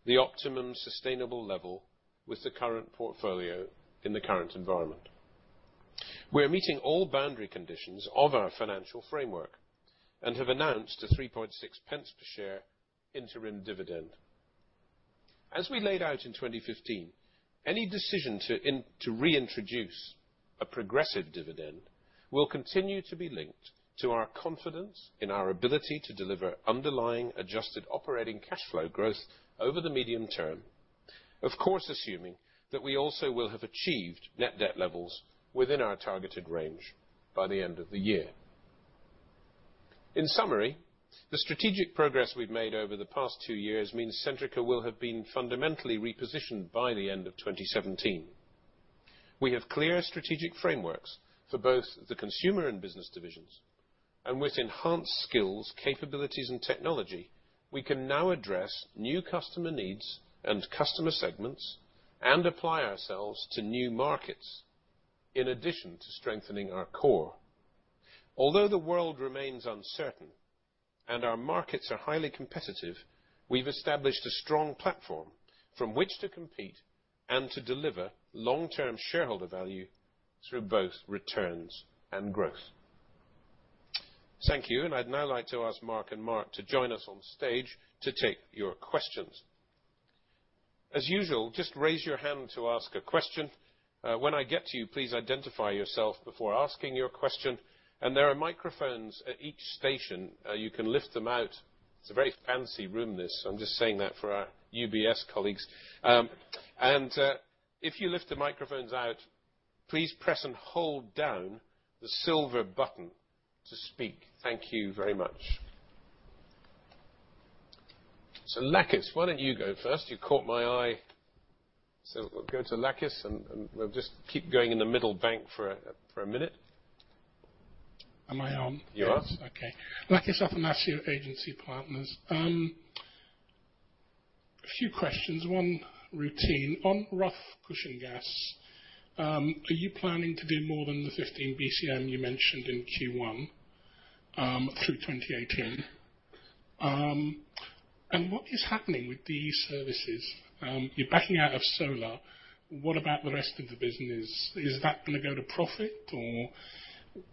[SPEAKER 1] the optimum sustainable level with the current portfolio in the current environment. We are meeting all boundary conditions of our financial framework and have announced a 0.036 per share interim dividend. As we laid out in 2015, any decision to reintroduce a progressive dividend will continue to be linked to our confidence in our ability to deliver underlying adjusted operating cash flow growth over the medium term, of course, assuming that we also will have achieved net debt levels within our targeted range by the end of the year. In summary, the strategic progress we've made over the past two years means Centrica will have been fundamentally repositioned by the end of 2017. We have clear strategic frameworks for both the Consumer and Business divisions, and with enhanced skills, capabilities, and technology, we can now address new customer needs and customer segments and apply ourselves to new markets in addition to strengthening our core. Although the world remains uncertain and our markets are highly competitive, we've established a strong platform from which to compete and to deliver long-term shareholder value through both returns and growth. Thank you. I'd now like to ask Mark and Mark to join us on stage to take your questions. As usual, just raise your hand to ask a question. When I get to you, please identify yourself before asking your question. There are microphones at each station. You can lift them out. It's a very fancy room, this. I'm just saying that for our UBS colleagues. If you lift the microphones out, please press and hold down the silver button to speak. Thank you very much. Lakis, why don't you go first? You caught my eye. We'll go to Lakis, and we'll just keep going in the middle bank for a minute.
[SPEAKER 3] Am I on?
[SPEAKER 1] You are.
[SPEAKER 3] Yes. Okay. Lakis Athanasiou, Agency Partners. A few questions, one routine. On Rough cushion gas, are you planning to do more than the 15 BCM you mentioned in Q1 through 2018? What is happening with these services? You're backing out of solar. What about the rest of the business? Is that going to go to profit, or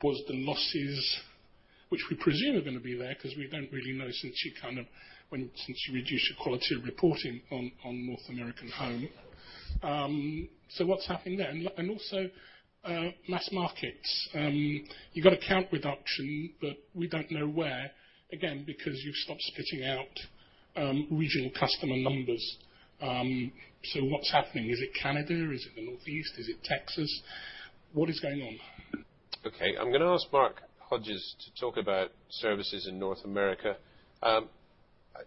[SPEAKER 3] was the losses, which we presume are going to be there because we don't really know since you reduced your quality of reporting on North America Home. What's happening there? Also, mass markets. You got a count reduction, but we don't know where, again, because you've stopped spitting out regional customer numbers. What's happening? Is it Canada? Is it the Northeast? Is it Texas? What is going on?
[SPEAKER 1] Okay. I'm going to ask Mark Hodges to talk about services in North America,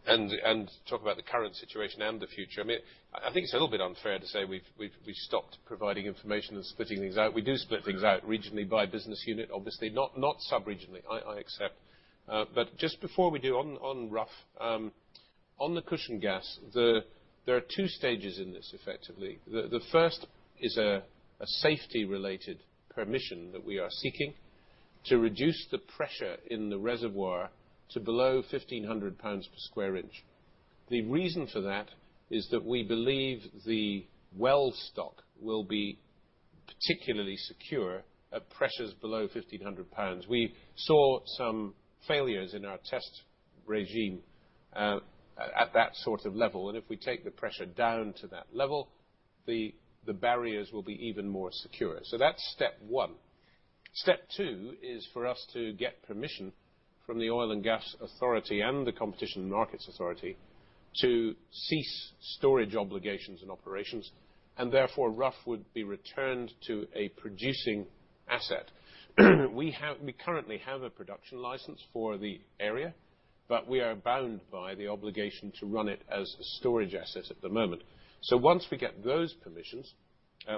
[SPEAKER 1] and talk about the current situation and the future. I think it's a little bit unfair to say we've stopped providing information and splitting things out. We do split things out regionally by business unit, obviously not sub-regionally, I accept. Just before we do, on Rough, on the cushion gas, there are 2 stages in this effectively. The first is a safety-related permission that we are seeking to reduce the pressure in the reservoir to below 1,500 pounds per square inch. The reason for that is that we believe the well stock will be particularly secure at pressures below 1,500 pounds. We saw some failures in our test regime at that sort of level, and if we take the pressure down to that level, the barriers will be even more secure. That's step 1. Step 2 is for us to get permission from the Oil and Gas Authority and the Competition and Markets Authority to cease storage obligations and operations, and therefore, Rough would be returned to a producing asset. We currently have a production license for the area, but we are bound by the obligation to run it as a storage asset at the moment. Once we get those permissions,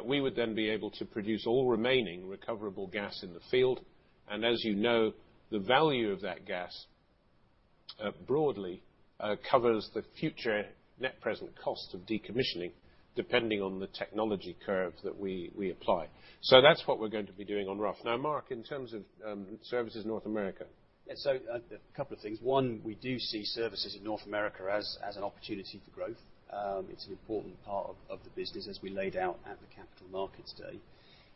[SPEAKER 1] we would then be able to produce all remaining recoverable gas in the field. As you know, the value of that gas broadly covers the future net present cost of decommissioning, depending on the technology curve that we apply. That's what we're going to be doing on Rough. Now, Mark, in terms of services, North America.
[SPEAKER 4] A couple of things. One, we do see services in North America as an opportunity for growth. It's an important part of the business as we laid out at the Capital Markets Day.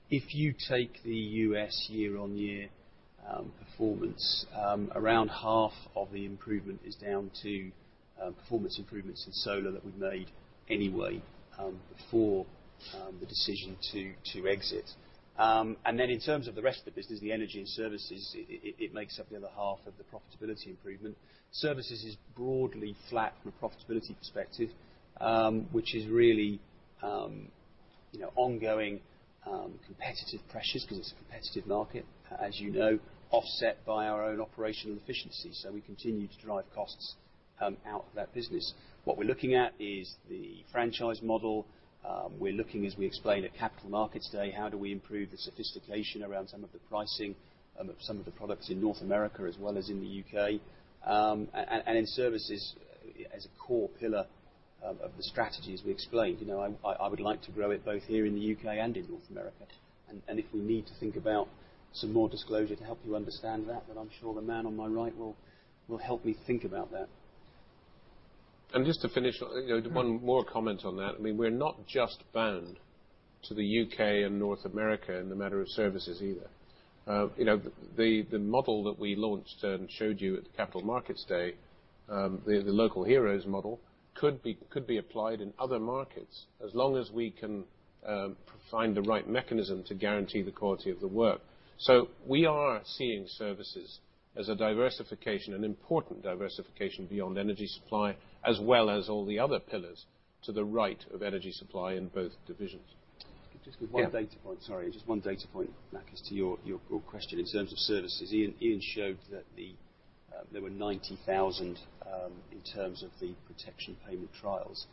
[SPEAKER 4] If you take the U.S. year-on-year performance, around half of the improvement is down to performance improvements in solar that we've made anyway, before the decision to exit. Then in terms of the rest of the business, the energy and services, it makes up the other half of the profitability improvement. Services is broadly flat from a profitability perspective, which is really ongoing competitive pressures because it's a competitive market, as you know, offset by our own operational efficiency. We continue to drive costs out of that business. What we're looking at is the franchise model. We're looking, as we explained at Capital Markets Day, how do we improve the sophistication around some of the pricing of some of the products in North America as well as in the U.K. In services as a core pillar of the strategy, as we explained. I would like to grow it both here in the U.K. and in North America. If we need to think about some more disclosure to help you understand that, I'm sure the man on my right will help me think about that.
[SPEAKER 1] Just to finish, one more comment on that. We're not just bound to the U.K. and North America in the matter of services either. The model that we launched and showed you at the Capital Markets Day, the Local Heroes model, could be applied in other markets as long as we can find the right mechanism to guarantee the quality of the work. We are seeing services as a diversification, an important diversification beyond energy supply, as well as all the other pillars to the right of energy supply in both divisions.
[SPEAKER 4] Just one data point.
[SPEAKER 1] Yeah
[SPEAKER 4] Sorry, just one data point, Lakis, to your question in terms of services. Iain showed that there were 90,000 in terms of the protection payment trials.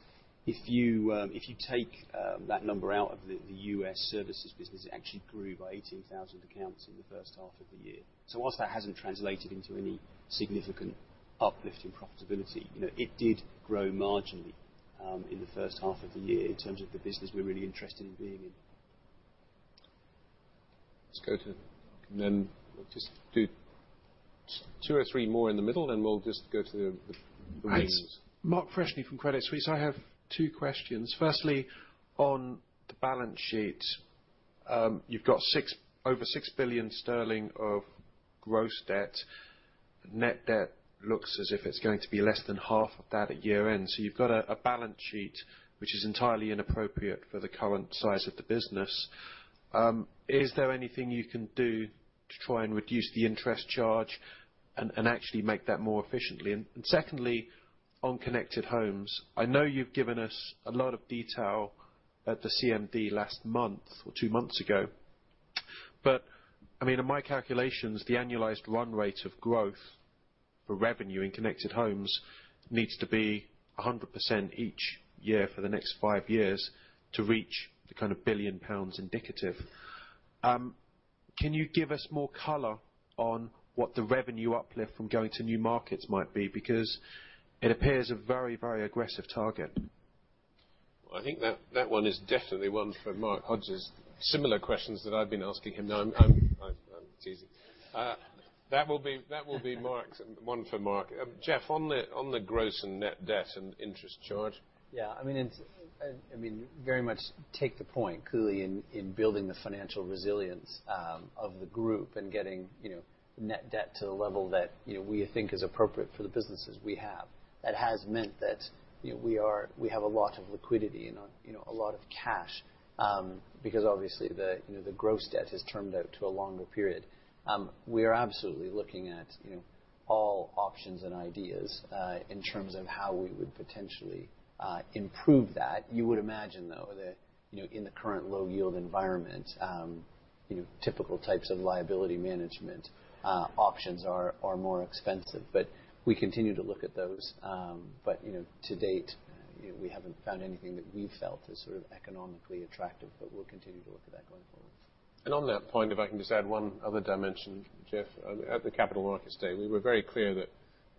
[SPEAKER 4] If you take that number out of the U.S. services business, it actually grew by 18,000 accounts in the first half of the year. Whilst that hasn't translated into any significant uplift in profitability, it did grow marginally in the first half of the year in terms of the business we're really interested in being in.
[SPEAKER 1] Let's go to we'll just do two or three more in the middle, then we'll just go to the remaining.
[SPEAKER 5] Mark Freshney from Credit Suisse. I have two questions. Firstly, on the balance sheet You've got over 6 billion sterling of gross debt. Net debt looks as if it's going to be less than half of that at year-end. You've got a balance sheet which is entirely inappropriate for the current size of the business. Is there anything you can do to try and reduce the interest charge and actually make that more efficiently? Secondly, on Connected Home, I know you've given us a lot of detail at the CMD last month or two months ago, but in my calculations, the annualized run rate of growth for revenue in Connected Home needs to be 100% each year for the next five years to reach the 1 billion pounds indicative. Can you give us more color on what the revenue uplift from going to new markets might be? It appears a very aggressive target.
[SPEAKER 1] I think that one is definitely one for Mark Hodges. Similar questions that I've been asking him. No, I'm teasing. That will be one for Mark. Jeff, on the gross and net debt and interest charge?
[SPEAKER 2] Yeah. Very much take the point, [Iain], in building the financial resilience of the group and getting net debt to the level that we think is appropriate for the businesses we have. That has meant that we have a lot of liquidity and a lot of cash, because obviously the gross debt has termed out to a longer period. We are absolutely looking at all options and ideas, in terms of how we would potentially improve that. You would imagine, though, that in the current low yield environment, typical types of liability management options are more expensive. We continue to look at those. To date, we haven't found anything that we've felt is sort of economically attractive, but we'll continue to look at that going forward.
[SPEAKER 1] On that point, if I can just add one other dimension, Jeff. At the Capital Markets Day, we were very clear that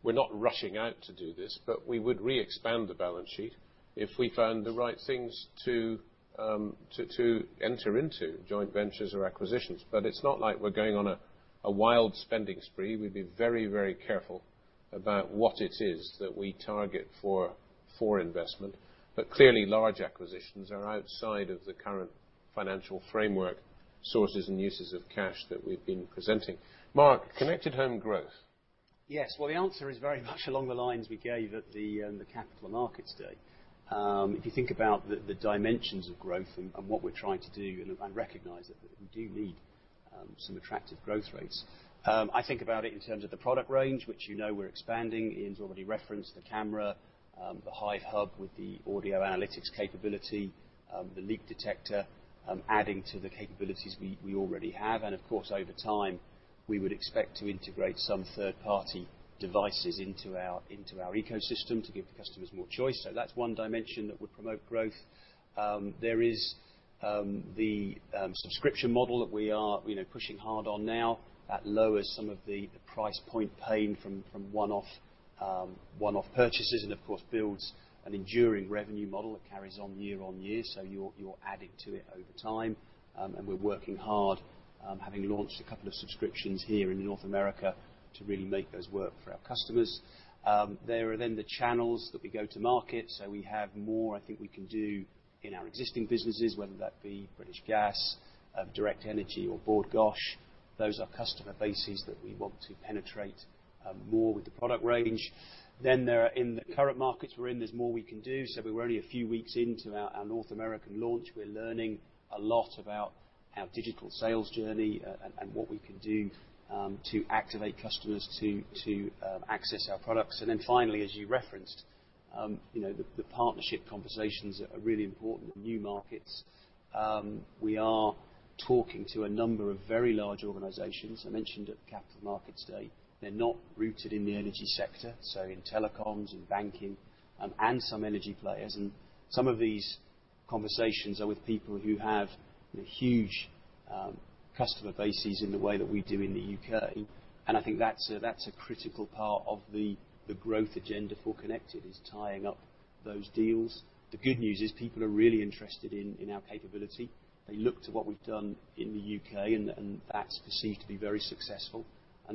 [SPEAKER 1] we're not rushing out to do this, but we would re-expand the balance sheet if we found the right things to enter into, joint ventures or acquisitions. It's not like we're going on a wild spending spree. We'd be very careful about what it is that we target for investment. Clearly large acquisitions are outside of the current financial framework sources and uses of cash that we've been presenting. Mark, Connected Home growth.
[SPEAKER 4] Yes. Well, the answer is very much along the lines we gave at the Capital Markets Day. If you think about the dimensions of growth and what we're trying to do, and I recognize that we do need some attractive growth rates. I think about it in terms of the product range, which you know we're expanding. Iain's already referenced the camera, the Hive Hub with the audio analytics capability, the leak detector, adding to the capabilities we already have. Of course, over time, we would expect to integrate some third-party devices into our ecosystem to give the customers more choice. That's one dimension that would promote growth. There is the subscription model that we are pushing hard on now. That lowers some of the price point pain from one-off purchases, and of course, builds an enduring revenue model that carries on year on year, so you're adding to it over time. We're working hard, having launched a couple of subscriptions here in North America to really make those work for our customers. There are then the channels that we go to market. We have more I think we can do in our existing businesses, whether that be British Gas, Direct Energy or Bord Gáis. Those are customer bases that we want to penetrate more with the product range. There are in the current markets we're in, there's more we can do. We're only a few weeks into our North American launch. We're learning a lot about our digital sales journey and what we can do to activate customers to access our products. Finally, as you referenced, the partnership conversations are really important in new markets. We are talking to a number of very large organizations. I mentioned at the Capital Markets Day, they're not rooted in the energy sector, so in telecoms and banking and some energy players. Some of these conversations are with people who have huge customer bases in the way that we do in the U.K. I think that's a critical part of the growth agenda for Connected, is tying up those deals. The good news is people are really interested in our capability. They look to what we've done in the U.K., and that's perceived to be very successful.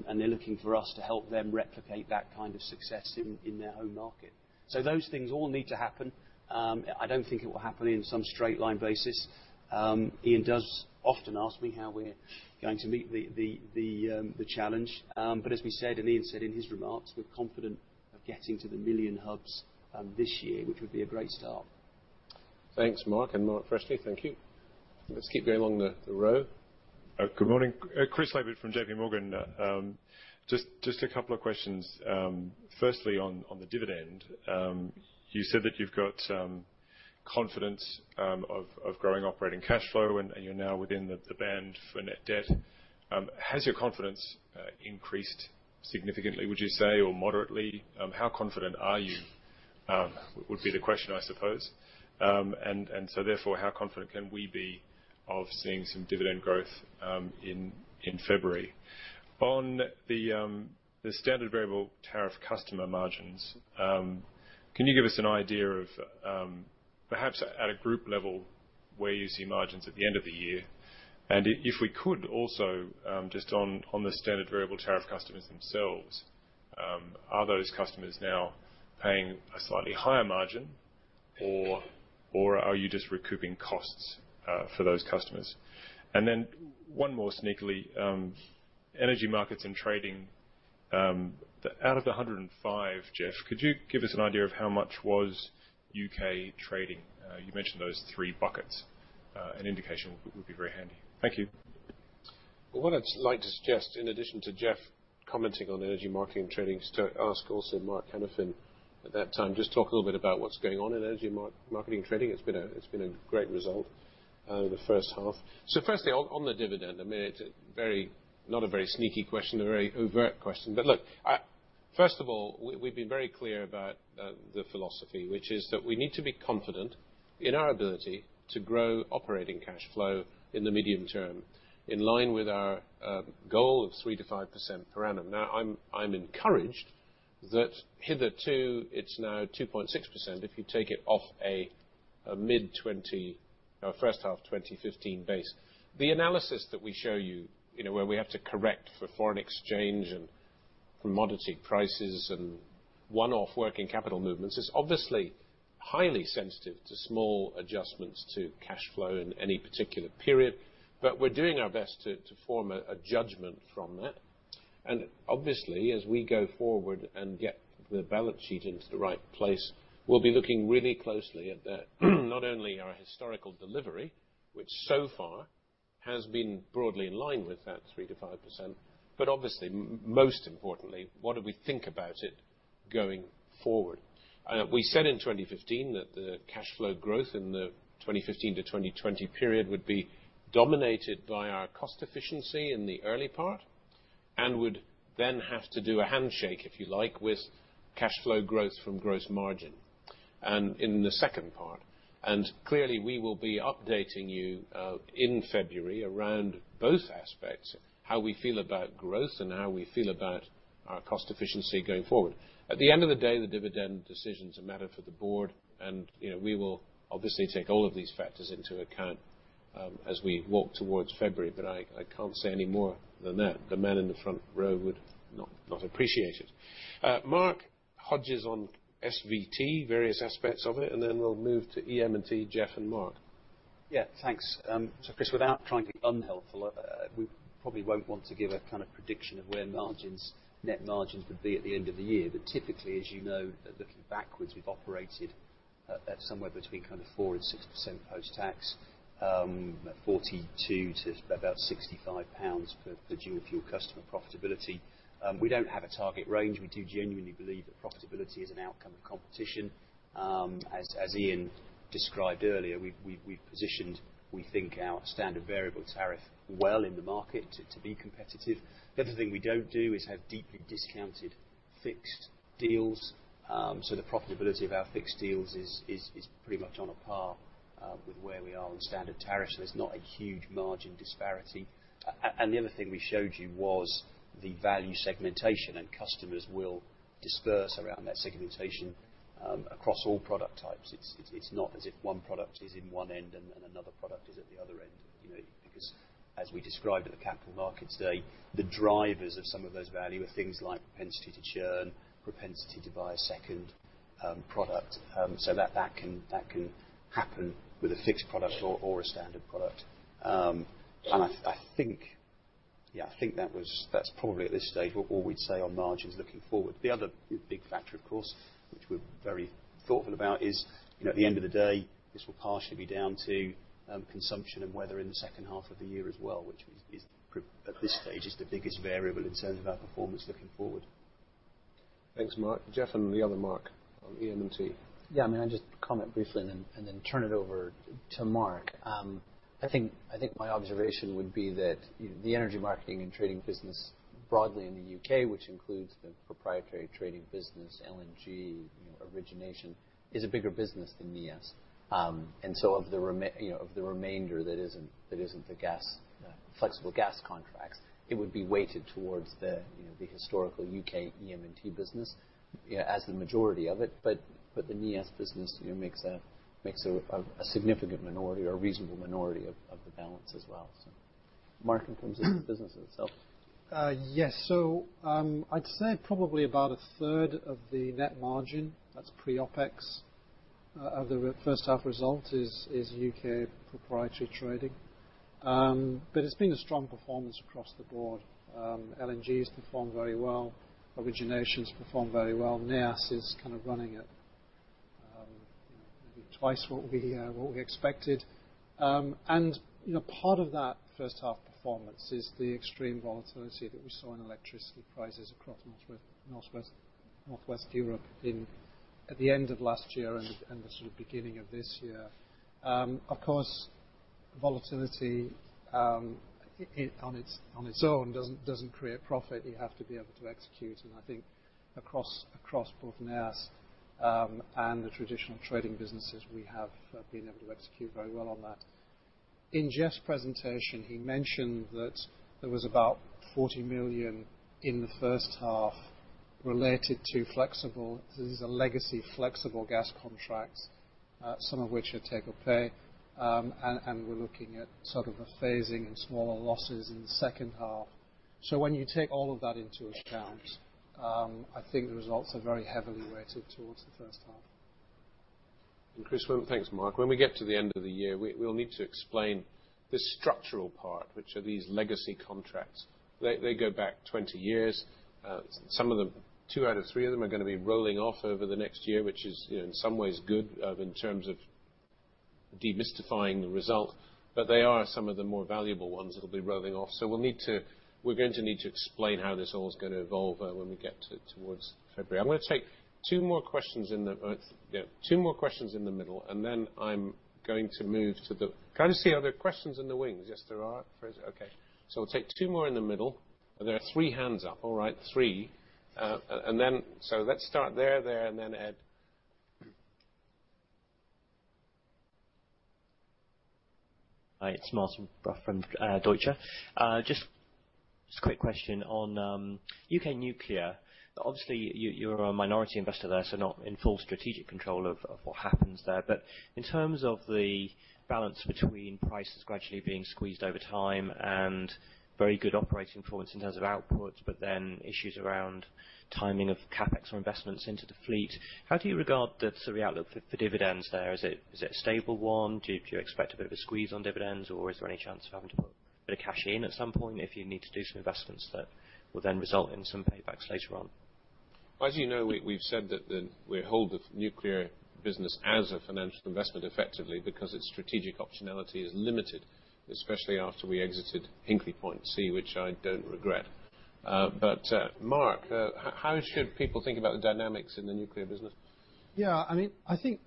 [SPEAKER 4] They're looking for us to help them replicate that kind of success in their own market. Those things all need to happen. I don't think it will happen in some straight line basis. Iain does often ask me how we're going to meet the challenge. As we said, and Iain said in his remarks, we're confident of getting to the million hubs this year, which would be a great start.
[SPEAKER 1] Thanks, Mark and Mark Freshney. Thank you. Let's keep going along the row.
[SPEAKER 6] Good morning. Chris Laybutt from JPMorgan. Just a couple of questions. Firstly, on the dividend, you said that you've got confidence of growing operating cash flow and you're now within the band for net debt. Has your confidence increased significantly, would you say, or moderately? How confident are you? Would be the question, I suppose. Therefore, how confident can we be of seeing some dividend growth in February? On the standard variable tariff customer margins, can you give us an idea of, perhaps at a group level, where you see margins at the end of the year? If we could also, just on the standard variable tariff customers themselves Are those customers now paying a slightly higher margin, or are you just recouping costs for those customers? One more sneakily, Energy Markets and Trading, out of the 105, Jeff, could you give us an idea of how much was U.K. trading? You mentioned those three buckets. An indication would be very handy. Thank you.
[SPEAKER 1] What I'd like to suggest in addition to Jeff commenting on Energy Marketing and Trading is to ask also Mark Hanafin at that time, just talk a little bit about what's going on in Energy Marketing and Trading. It's been a great result the first half. Firstly, on the dividend, it's not a very sneaky question, a very overt question. Look, first of all, we've been very clear about the philosophy, which is that we need to be confident in our ability to grow operating cash flow in the medium term, in line with our goal of 3%-5% per annum. Now, I'm encouraged that hitherto it's now 2.6% if you take it off a first half 2015 base. The analysis that we show you, where we have to correct for foreign exchange and commodity prices and one-off working capital movements is obviously highly sensitive to small adjustments to cash flow in any particular period. We're doing our best to form a judgment from that. Obviously, as we go forward and get the balance sheet into the right place, we'll be looking really closely at that. Not only our historical delivery, which so far has been broadly in line with that 3%-5%, but obviously most importantly, what do we think about it going forward? We said in 2015 that the cash flow growth in the 2015-2020 period would be dominated by our cost efficiency in the early part, and would then have to do a handshake, if you like, with cash flow growth from gross margin, and in the second part. Clearly we will be updating you in February around both aspects, how we feel about growth and how we feel about our cost efficiency going forward. At the end of the day, the dividend decision is a matter for the board, and we will obviously take all of these factors into account as we walk towards February, I can't say any more than that. The men in the front row would not appreciate it. Mark Hodges on SVT, various aspects of it, then we'll move to EM&T, Jeff and Mark.
[SPEAKER 4] Thanks. Chris, without trying to be unhelpful, we probably won't want to give a prediction of where net margins would be at the end of the year. Typically, as you know, looking backwards, we've operated at somewhere between 4% and 6% post-tax, at 42 to about 65 pounds per dual fuel customer profitability. We don't have a target range. We do genuinely believe that profitability is an outcome of competition. As Iain described earlier, we've positioned, we think, our standard variable tariff well in the market to be competitive. The other thing we don't do is have deeply discounted fixed deals. The profitability of our fixed deals is pretty much on a par with where we are on the standard tariff. There's not a huge margin disparity. The other thing we showed you was the value segmentation, Customers will disperse around that segmentation across all product types. It's not as if one product is in one end and another product is at the other end. As we described at the Capital Markets Day, the drivers of some of those value are things like propensity to churn, propensity to buy a second product. That can happen with a fixed product or a standard product. I think that's probably at this stage what we'd say on margins looking forward. The other big factor, of course, which we're very thoughtful about, is at the end of the day, this will partially be down to consumption and weather in the second half of the year as well, which at this stage is the biggest variable in terms of our performance looking forward.
[SPEAKER 1] Thanks, Mark. Jeff and the other Mark on EM&T.
[SPEAKER 2] I'm going to just comment briefly and then turn it over to Mark. I think my observation would be that the energy marketing and trading business broadly in the U.K., which includes the proprietary trading business, LNG, origination, is a bigger business than Neas. Of the remainder that isn't the flexible gas contracts, it would be weighted towards the historical U.K. EM&T business as the majority of it. The Neas business makes a significant minority or a reasonable minority of the balance as well. Mark can comment on the business itself.
[SPEAKER 7] Yes. I'd say probably about a third of the net margin, that's pre-OpEx, of the first half result is U.K. proprietary trading. It's been a strong performance across the board. LNG has performed very well. Origination has performed very well. Neas is running at maybe twice what we expected. Part of that first half performance is the extreme volatility that we saw in electricity prices across Northwest Europe at the end of last year and the beginning of this year. Of course, volatility on its own doesn't create profit. You have to be able to execute. I think across both Neas and the traditional trading businesses, we have been able to execute very well on that. In Jeff's presentation, he mentioned that there was about 40 million in the first half related to flexible. This is a legacy flexible gas contracts. Some of which are take or pay, we're looking at sort of a phasing in smaller losses in the second half. When you take all of that into account, I think the results are very heavily weighted towards the first half.
[SPEAKER 1] Christopher, thanks Mark. When we get to the end of the year, we'll need to explain this structural part, which are these legacy contracts. They go back 20 years. 2 out of 3 of them are going to be rolling off over the next year, which is in some ways good in terms of demystifying the result, but they are some of the more valuable ones that'll be rolling off. We're going to need to explain how this all is going to evolve when we get towards February. I'm going to take 2 more questions in the middle. Can I just see, are there questions in the wings? Yes, there are. Okay. We'll take 2 more in the middle, and there are 3 hands up. All right, 3. Let's start there, and then Ed.
[SPEAKER 8] Hi, it's Martin Brough from Deutsche Bank. Just a quick question on U.K. nuclear. Obviously, you're a minority investor there, not in full strategic control of what happens there. In terms of the balance between prices gradually being squeezed over time and very good operating performance in terms of outputs, but then issues around timing of CapEx or investments into the fleet. How do you regard the sort of outlook for dividends there? Is it a stable one? Do you expect a bit of a squeeze on dividends, or is there any chance of having to put a bit of cash in at some point if you need to do some investments that will result in some paybacks later on?
[SPEAKER 1] As you know, we've said that we hold the nuclear business as a financial investment effectively because its strategic optionality is limited, especially after we exited Hinkley Point C, which I don't regret. Mark, how should people think about the dynamics in the nuclear business?
[SPEAKER 7] I think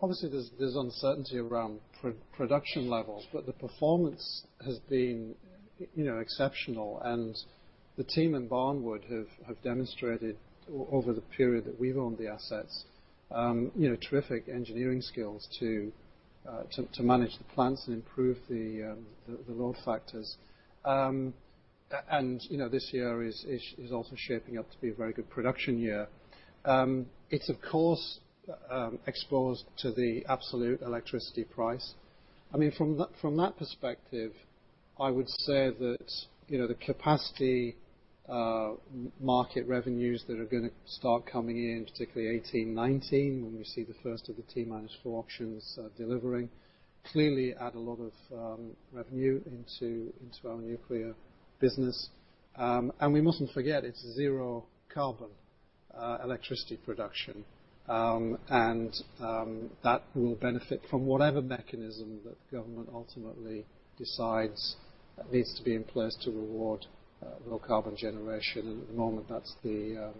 [SPEAKER 7] obviously there's uncertainty around production levels, but the performance has been exceptional. The team in Barnwood have demonstrated over the period that we've owned the assets, terrific engineering skills to manage the plants and improve the load factors. This year is also shaping up to be a very good production year. It's of course exposed to the absolute electricity price. From that perspective, I would say that the capacity market revenues that are going to start coming in, particularly 2018, 2019, when we see the first of the T minus 4 auctions delivering, clearly add a lot of revenue into our nuclear business. We mustn't forget it's zero carbon electricity production. That will benefit from whatever mechanism that government ultimately decides needs to be in place to reward low carbon generation. At the moment, that's the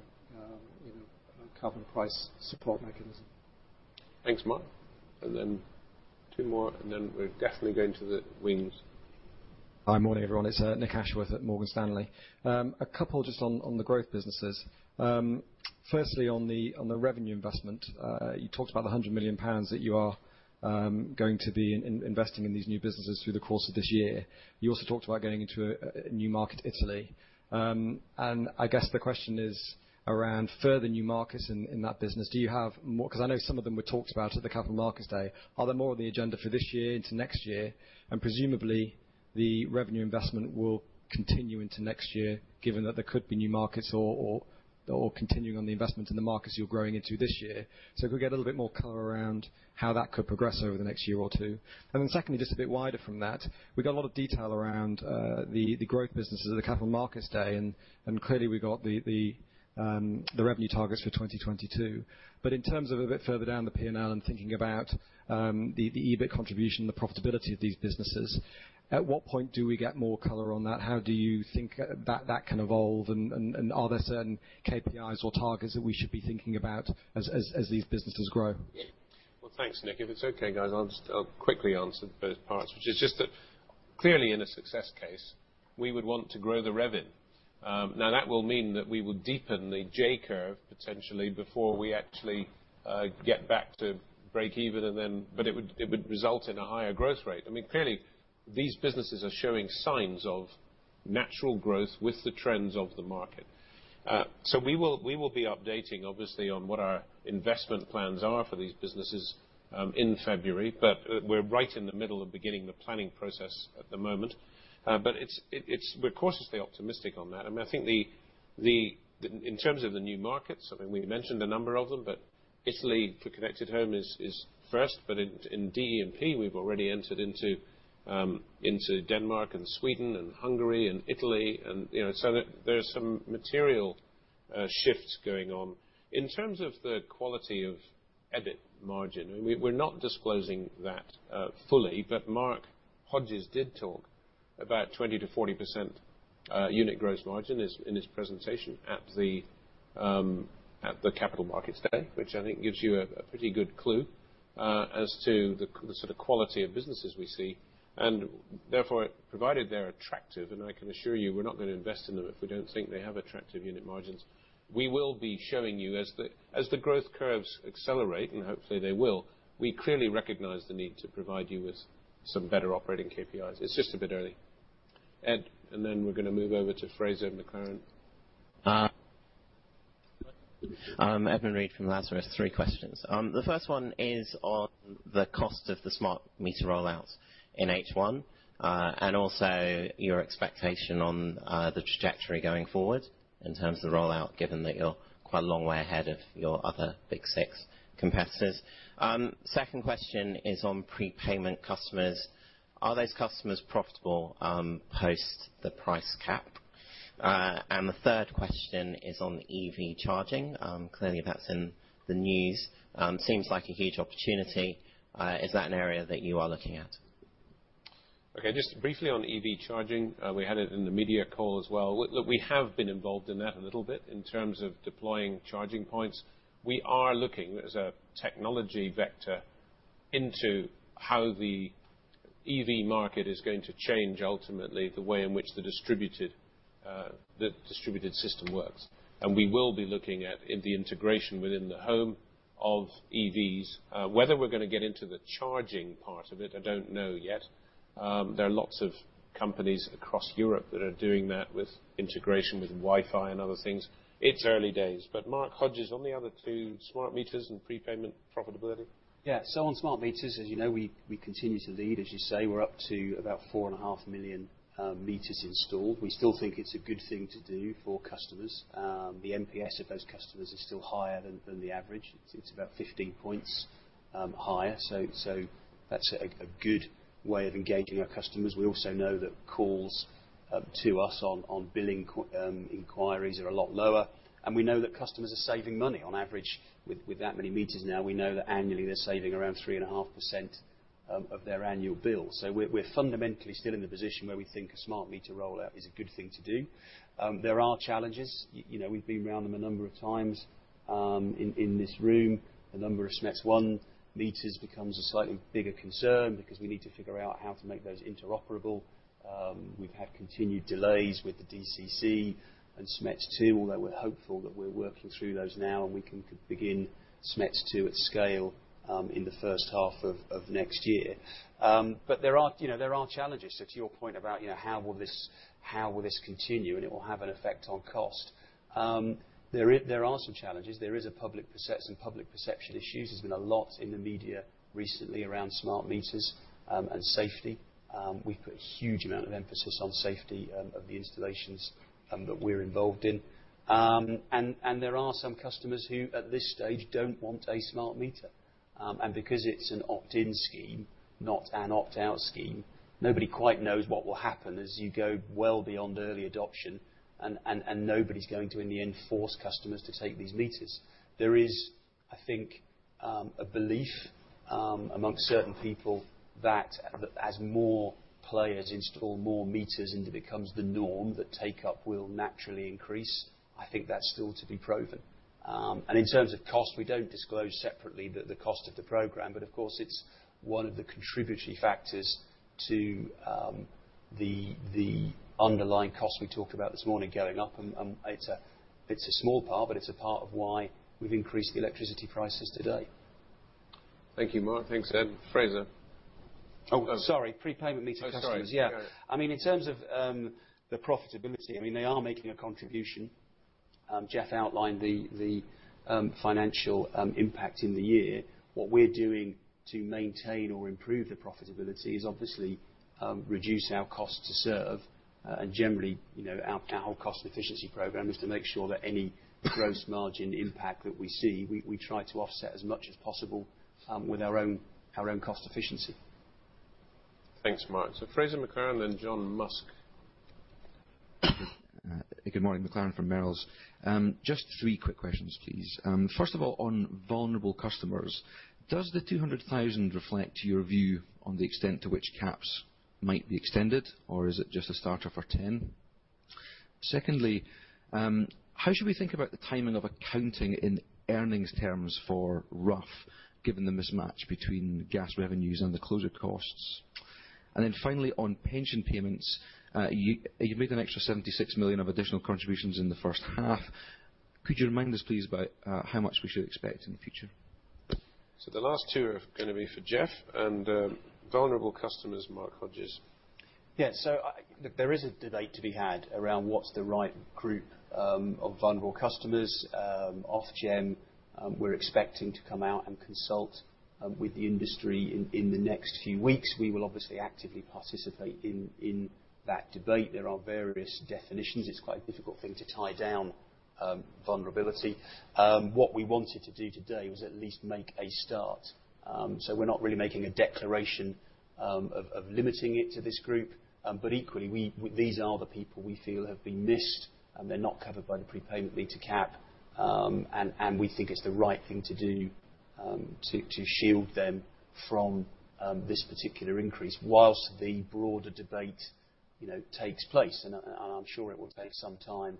[SPEAKER 7] carbon price support mechanism.
[SPEAKER 1] Thanks, Mark. Then two more, then we're definitely going to the wings.
[SPEAKER 9] Hi, morning everyone. It's Nick Ashworth at Morgan Stanley. A couple just on the growth businesses. Firstly on the revenue investment. You talked about the 100 million pounds that you are going to be investing in these new businesses through the course of this year. You also talked about going into a new market, Italy. I guess the question is around further new markets in that business. Because I know some of them were talked about at the Capital Markets Day. Are there more on the agenda for this year into next year? Presumably the revenue investment will continue into next year, given that there could be new markets or continuing on the investment in the markets you're growing into this year. If we could get a little bit more color around how that could progress over the next year or two. Secondly, just a bit wider from that. We got a lot of detail around the growth businesses at the Capital Markets Day, and clearly we've got the revenue targets for 2022. In terms of a bit further down the P&L and thinking about the EBIT contribution and the profitability of these businesses, at what point do we get more color on that? How do you think that can evolve? Are there certain KPIs or targets that we should be thinking about as these businesses grow?
[SPEAKER 1] Thanks, Nick. If it's okay, guys, I'll quickly answer both parts, which is just that clearly in a success case, we would want to grow the revenue. That will mean that we would deepen the J curve potentially before we actually get back to break even, it would result in a higher growth rate. Clearly these businesses are showing signs of natural growth with the trends of the market. We will be updating obviously on what our investment plans are for these businesses in February, we're right in the middle of beginning the planning process at the moment. We're cautiously optimistic on that. I think in terms of the new markets, we've mentioned a number of them, Italy for Connected Home is first, in DE&P, we've already entered into Denmark and Sweden and Hungary and Italy. There's some material shifts going on. In terms of the quality of EBIT margin, we're not disclosing that fully, Mark Hodges did talk about 20%-40% unit gross margin in his presentation at the Capital Markets Day, which I think gives you a pretty good clue as to the sort of quality of businesses we see. Therefore, provided they're attractive, I can assure you we're not going to invest in them if we don't think they have attractive unit margins. We will be showing you as the growth curves accelerate, hopefully they will, we clearly recognize the need to provide you with some better operating KPIs. It's just a bit early. Ed, we're going to move over to Fraser McLaren.
[SPEAKER 10] Edmund Reid from Lazarus. Three questions. The first one is on the cost of the smart meter rollouts in H1, also your expectation on the trajectory going forward in terms of the rollout, given that you're quite a long way ahead of your other big six competitors. Second question is on prepayment customers. Are those customers profitable post the price cap? The third question is on EV charging. Clearly that's in the news. Seems like a huge opportunity. Is that an area that you are looking at?
[SPEAKER 1] Okay, just briefly on EV charging, we had it in the media call as well. Look, we have been involved in that a little bit in terms of deploying charging points. We are looking as a technology vector into how the EV market is going to change ultimately the way in which the distributed system works. We will be looking at the integration within the home of EVs. Whether we're going to get into the charging part of it, I don't know yet. There are lots of companies across Europe that are doing that with integration with Wi-Fi and other things. It's early days. Mark Hodges on the other two, smart meters and prepayment profitability.
[SPEAKER 4] Yeah. On smart meters, as you know, we continue to lead. As you say, we're up to about 4.5 million meters installed. We still think it's a good thing to do for customers. The NPS of those customers is still higher than the average. It's about 15 points higher, so that's a good way of engaging our customers. We also know that calls to us on billing inquiries are a lot lower. We know that customers are saving money on average. With that many meters now, we know that annually they're saving around 3.5% of their annual bill. We're fundamentally still in the position where we think a smart meter rollout is a good thing to do. There are challenges. We've been around them a number of times in this room. The number of SMETS1 meters becomes a slightly bigger concern because we need to figure out how to make those interoperable. We've had continued delays with the DCC and SMETS2, although we're hopeful that we're working through those now and we can begin SMETS2 at scale in the first half of next year. There are challenges. To your point about how will this continue, and it will have an effect on cost. There are some challenges. There is some public perception issues. There's been a lot in the media recently around smart meters and safety. We put a huge amount of emphasis on safety of the installations that we're involved in. There are some customers who at this stage don't want a smart meter. Because it's an opt-in scheme, not an opt-out scheme, nobody quite knows what will happen as you go well beyond early adoption, and nobody's going to, in the end, force customers to take these meters. There is, I think, a belief amongst certain people that as more players install more meters and it becomes the norm, that takeup will naturally increase. I think that's still to be proven. In terms of cost, we don't disclose separately the cost of the program, but of course it's one of the contributory factors to the underlying cost we talked about this morning going up, and it's a small part, but it's a part of why we've increased the electricity prices today.
[SPEAKER 1] Thank you, Mark. Thanks, Ed. Fraser?
[SPEAKER 4] Oh, sorry. Prepayment meter customers.
[SPEAKER 1] Oh, sorry. Go ahead.
[SPEAKER 4] Yeah. In terms of the profitability, they are making a contribution. Jeff outlined the financial impact in the year. What we're doing to maintain or improve the profitability is obviously reduce our cost to serve. Generally, our whole cost efficiency program is to make sure that any gross margin impact that we see, we try to offset as much as possible with our own cost efficiency.
[SPEAKER 1] Thanks, Mark. Fraser McLaren and John Musk.
[SPEAKER 11] Good morning. McLaren from Merrill Lynch. Just three quick questions, please. On vulnerable customers, does the 200,000 reflect your view on the extent to which caps might be extended, or is it just a starter for 10? Secondly, how should we think about the timing of accounting in earnings terms for Rough given the mismatch between gas revenues and the closure costs? Finally, on pension payments, you made an extra 76 million of additional contributions in the first half. Could you remind us, please, about how much we should expect in the future?
[SPEAKER 1] The last two are going to be for Jeff and vulnerable customers, Mark Hodges.
[SPEAKER 4] There is a debate to be had around what's the right group of vulnerable customers. Ofgem we're expecting to come out and consult with the industry in the next few weeks. We will obviously actively participate in that debate. There are various definitions. It's quite a difficult thing to tie down vulnerability. What we wanted to do today was at least make a start. We're not really making a declaration of limiting it to this group, but equally, these are the people we feel have been missed, they're not covered by the prepayment meter cap. We think it's the right thing to do to shield them from this particular increase whilst the broader debate takes place. I'm sure it will take some time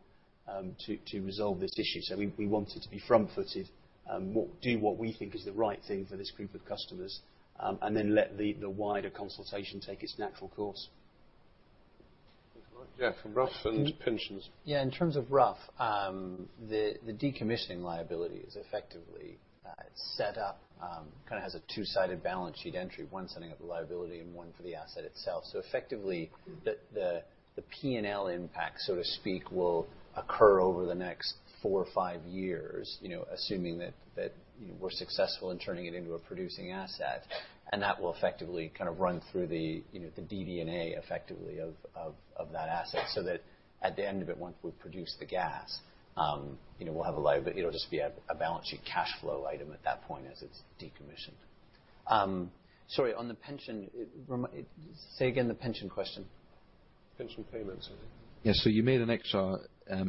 [SPEAKER 4] to resolve this issue. We wanted to be front-footed, do what we think is the right thing for this group of customers, and then let the wider consultation take its natural course.
[SPEAKER 1] Yeah, for Rough and pensions.
[SPEAKER 2] Yeah, in terms of Rough, the decommissioning liability is effectively set up. It kind of has a two-sided balance sheet entry, one setting up the liability and one for the asset itself. Effectively, the P&L impact, so to speak, will occur over the next four or five years, assuming that we're successful in turning it into a producing asset. That will effectively run through the DD&A effectively of that asset, so that at the end of it, once we've produced the gas, it'll just be a balance sheet cash flow item at that point as it's decommissioned. Sorry, on the pension, say again the pension question.
[SPEAKER 1] Pension payments, I think.
[SPEAKER 11] You made an extra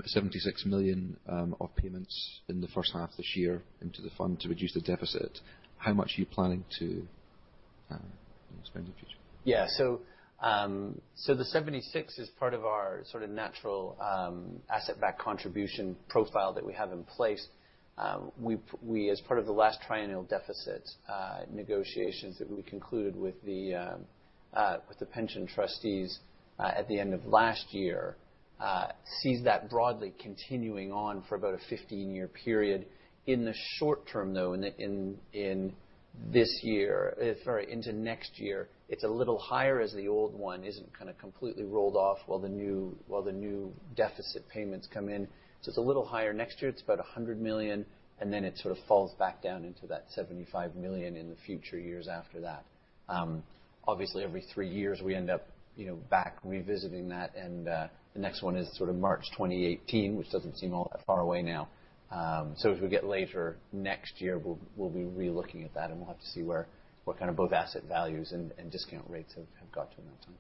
[SPEAKER 11] 76 million of payments in the first half of this year into the fund to reduce the deficit. How much are you planning to spend in the future?
[SPEAKER 2] Yeah. The 76 is part of our natural asset-backed contribution profile that we have in place. We, as part of the last triennial deficit negotiations that we concluded with the pension trustees at the end of last year, seize that broadly continuing on for about a 15-year period. In the short term, though, this year into next year, it's a little higher as the old one isn't completely rolled off while the new deficit payments come in. It's a little higher next year. It's about 100 million, and then it sort of falls back down into that 75 million in the future years after that. Obviously, every three years, we end up back revisiting that, and the next one is March 2018, which doesn't seem all that far away now. As we get later next year, we'll be re-looking at that, and we'll have to see where both asset values and discount rates have got to in that time.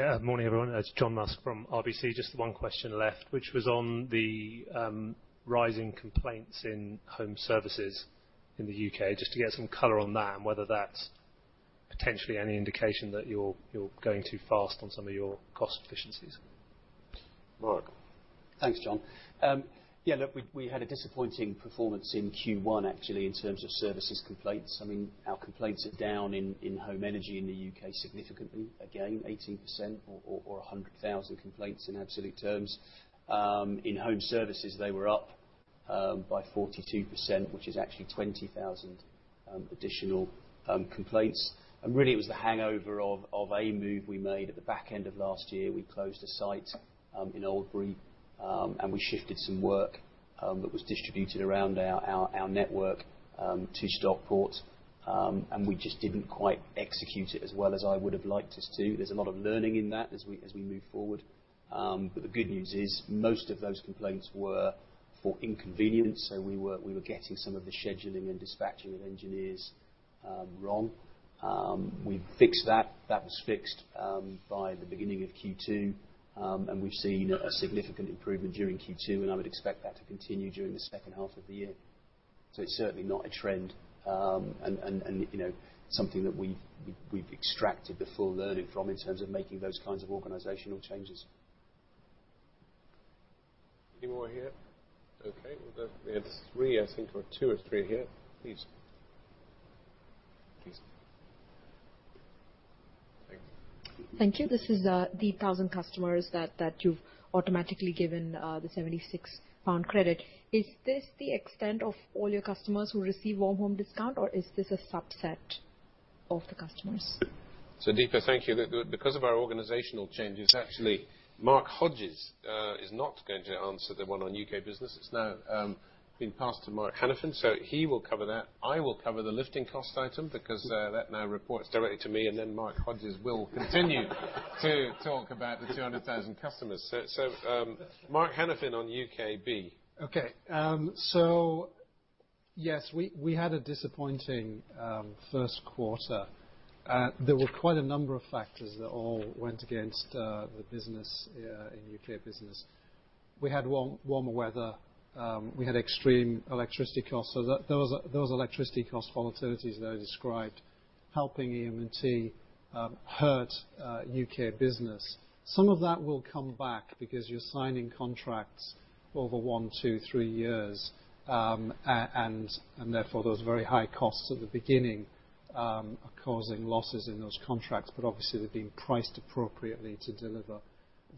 [SPEAKER 1] John Musk.
[SPEAKER 12] Morning, everyone. It's John Musk from RBC. Just one question left, which was on the rising complaints in home services in the U.K. Just to get some color on that and whether that's potentially any indication that you're going too fast on some of your cost efficiencies.
[SPEAKER 1] Mark?
[SPEAKER 4] Thanks, John. Look, we had a disappointing performance in Q1 actually in terms of services complaints. Our complaints are down in home energy in the U.K. significantly, again, 18% or 100,000 complaints in absolute terms. In home services, they were up by 42%, which is actually 20,000 additional complaints. Really, it was the hangover of a move we made at the back end of last year. We closed a site in Oldbury, and we shifted some work that was distributed around our network to Stockport, and we just didn't quite execute it as well as I would have liked us to. There's a lot of learning in that as we move forward. The good news is most of those complaints were for inconvenience. We were getting some of the scheduling and dispatching of engineers wrong. We fixed that. That was fixed by the beginning of Q2, and we've seen a significant improvement during Q2, and I would expect that to continue during the second half of the year. It's certainly not a trend, and something that we've extracted the full learning from in terms of making those kinds of organizational changes.
[SPEAKER 1] Any more here? Okay. We have three, I think, or two or three here. Please. Please. Thanks.
[SPEAKER 13] Thank you. This is the 200,000 customers that you've automatically given the 76 pound credit. Is this the extent of all your customers who receive Warm Home Discount, or is this a subset of the customers?
[SPEAKER 1] Deepa, thank you. Because of our organizational changes, actually, Mark Hodges is not going to answer the one on UK Business. It's now been passed to Mark Hanafin, he will cover that. I will cover the lifting cost item because that now reports directly to me, Mark Hodges will continue to talk about the 200,000 customers. Mark Hanafin on UKB.
[SPEAKER 7] Okay. Yes, we had a disappointing first quarter. There were quite a number of factors that all went against the business in UK Business. We had warmer weather. We had extreme electricity costs. Those electricity cost volatilities that I described helping EM&T hurt UK Business. Some of that will come back because you're signing contracts over one, two, three years. Therefore, those very high costs at the beginning are causing losses in those contracts, obviously, they're being priced appropriately to deliver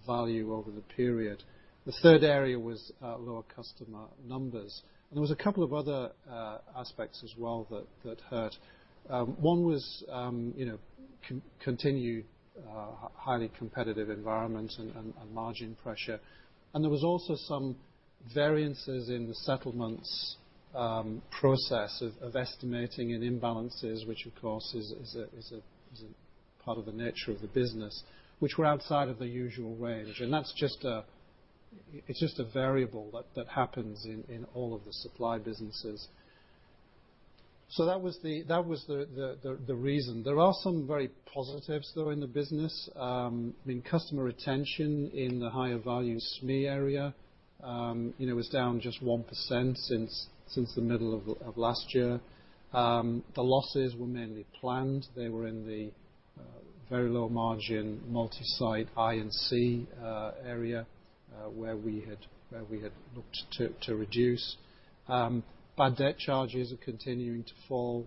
[SPEAKER 7] value over the period. The third area was lower customer numbers. There was a couple of other aspects as well that hurt. One was continued highly competitive environment and margin pressure. There was also some variances in the settlements process of estimating and imbalances, which, of course, is a part of the nature of the business, which were outside of the usual range. It's just a variable that happens in all of the supply businesses. That was the reason. There are some very positives, though, in the business. Customer retention in the higher value SME area was down just 1% since the middle of last year. The losses were mainly planned. They were in the very low margin multi-site I&C area where we had looked to reduce. Bad debt charges are continuing to fall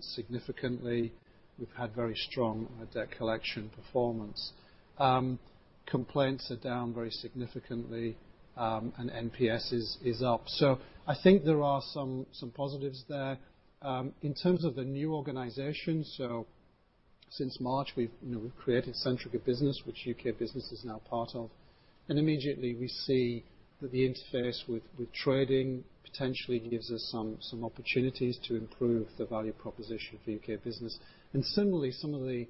[SPEAKER 7] significantly. We've had very strong debt collection performance. Complaints are down very significantly, NPS is up. I think there are some positives there. In terms of the new organization, since March, we've created Centrica Business, which UK Business is now part of. Immediately we see that the interface with trading potentially gives us some opportunities to improve the value proposition for UK Business. Similarly, some of the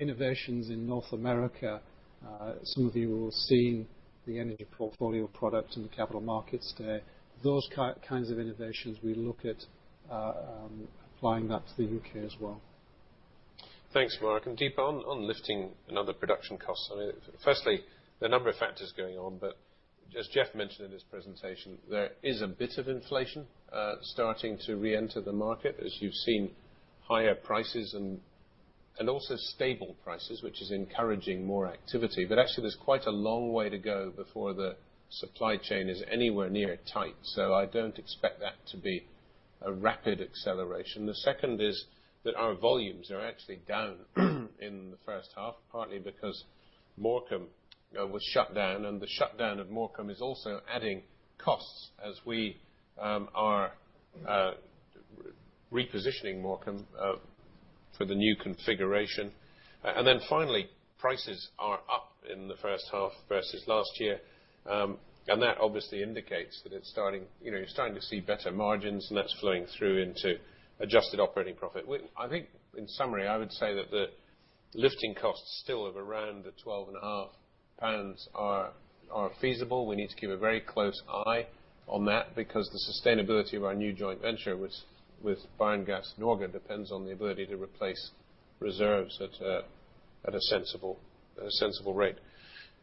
[SPEAKER 7] innovations in North America, some of you will have seen the energy portfolio products in the Capital Markets Day. Those kinds of innovations we look at applying that to the U.K. as well.
[SPEAKER 1] Thanks, Mark. Deepa, on lifting and other production costs, firstly, there are a number of factors going on, but as Jeff mentioned in his presentation, there is a bit of inflation starting to re-enter the market as you've seen higher prices and also stable prices, which is encouraging more activity. Actually, there's quite a long way to go before the supply chain is anywhere near tight. I don't expect that to be a rapid acceleration. The second is that our volumes are actually down in the first half, partly because Morecambe was shut down, and the shutdown of Morecambe is also adding costs as we are repositioning Morecambe for the new configuration. Finally, prices are up in the first half versus last year. That obviously indicates that you're starting to see better margins, and that's flowing through into adjusted operating profit. I think in summary, I would say that the lifting costs still of around 12.5 pounds are feasible. We need to keep a very close eye on that because the sustainability of our new joint venture with Vår Energi in Norge depends on the ability to replace reserves at a sensible rate.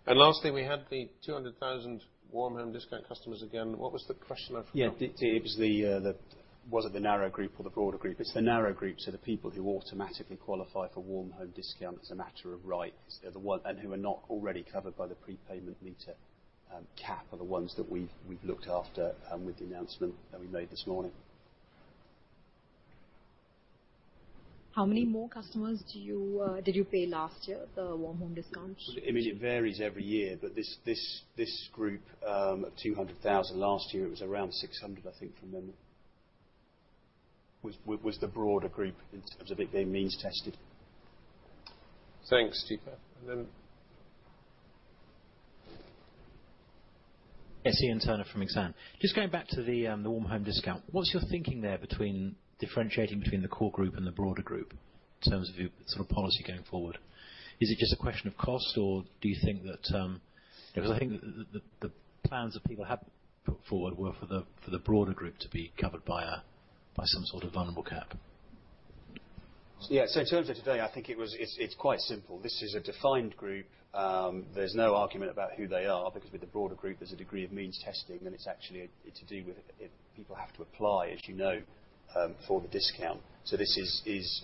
[SPEAKER 1] Lastly, we had the 200,000 Warm Home Discount customers again. What was the question? I've forgotten.
[SPEAKER 4] Deepa, was it the narrow group or the broader group? It's the narrow group, so the people who automatically qualify for Warm Home Discount as a matter of right and who are not already covered by the prepayment meter cap are the ones that we've looked after with the announcement that we made this morning.
[SPEAKER 13] How many more customers did you pay last year, the Warm Home Discount?
[SPEAKER 4] It varies every year. This group of 200,000, last year, it was around 600, I think, from memory. Was the broader group in terms of it being means tested.
[SPEAKER 1] Thanks, Deepa.
[SPEAKER 14] Iain Turner from Exane. Just going back to the Warm Home Discount. What's your thinking there between differentiating between the core group and the broader group in terms of your sort of policy going forward? Is it just a question of cost, or do you think that the plans that people have put forward were for the broader group to be covered by some sort of vulnerable cap.
[SPEAKER 4] Yeah. In terms of today, I think it's quite simple. This is a defined group. There's no argument about who they are because with the broader group, there's a degree of means testing, and it's actually to do with if people have to apply, as you know, for the discount. This is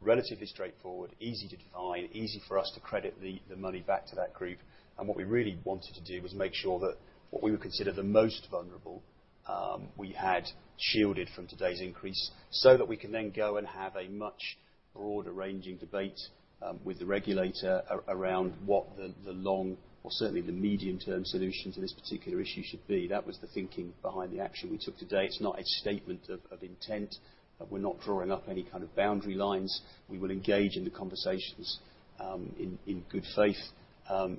[SPEAKER 4] relatively straightforward, easy to define, easy for us to credit the money back to that group. What we really wanted to do was make sure that what we would consider the most vulnerable, we had shielded from today's increase so that we can then go and have a much broader ranging debate with the regulator around what the long or certainly the medium-term solution to this particular issue should be. That was the thinking behind the action we took today. It's not a statement of intent. We're not drawing up any kind of boundary lines. We will engage in the conversations in good faith.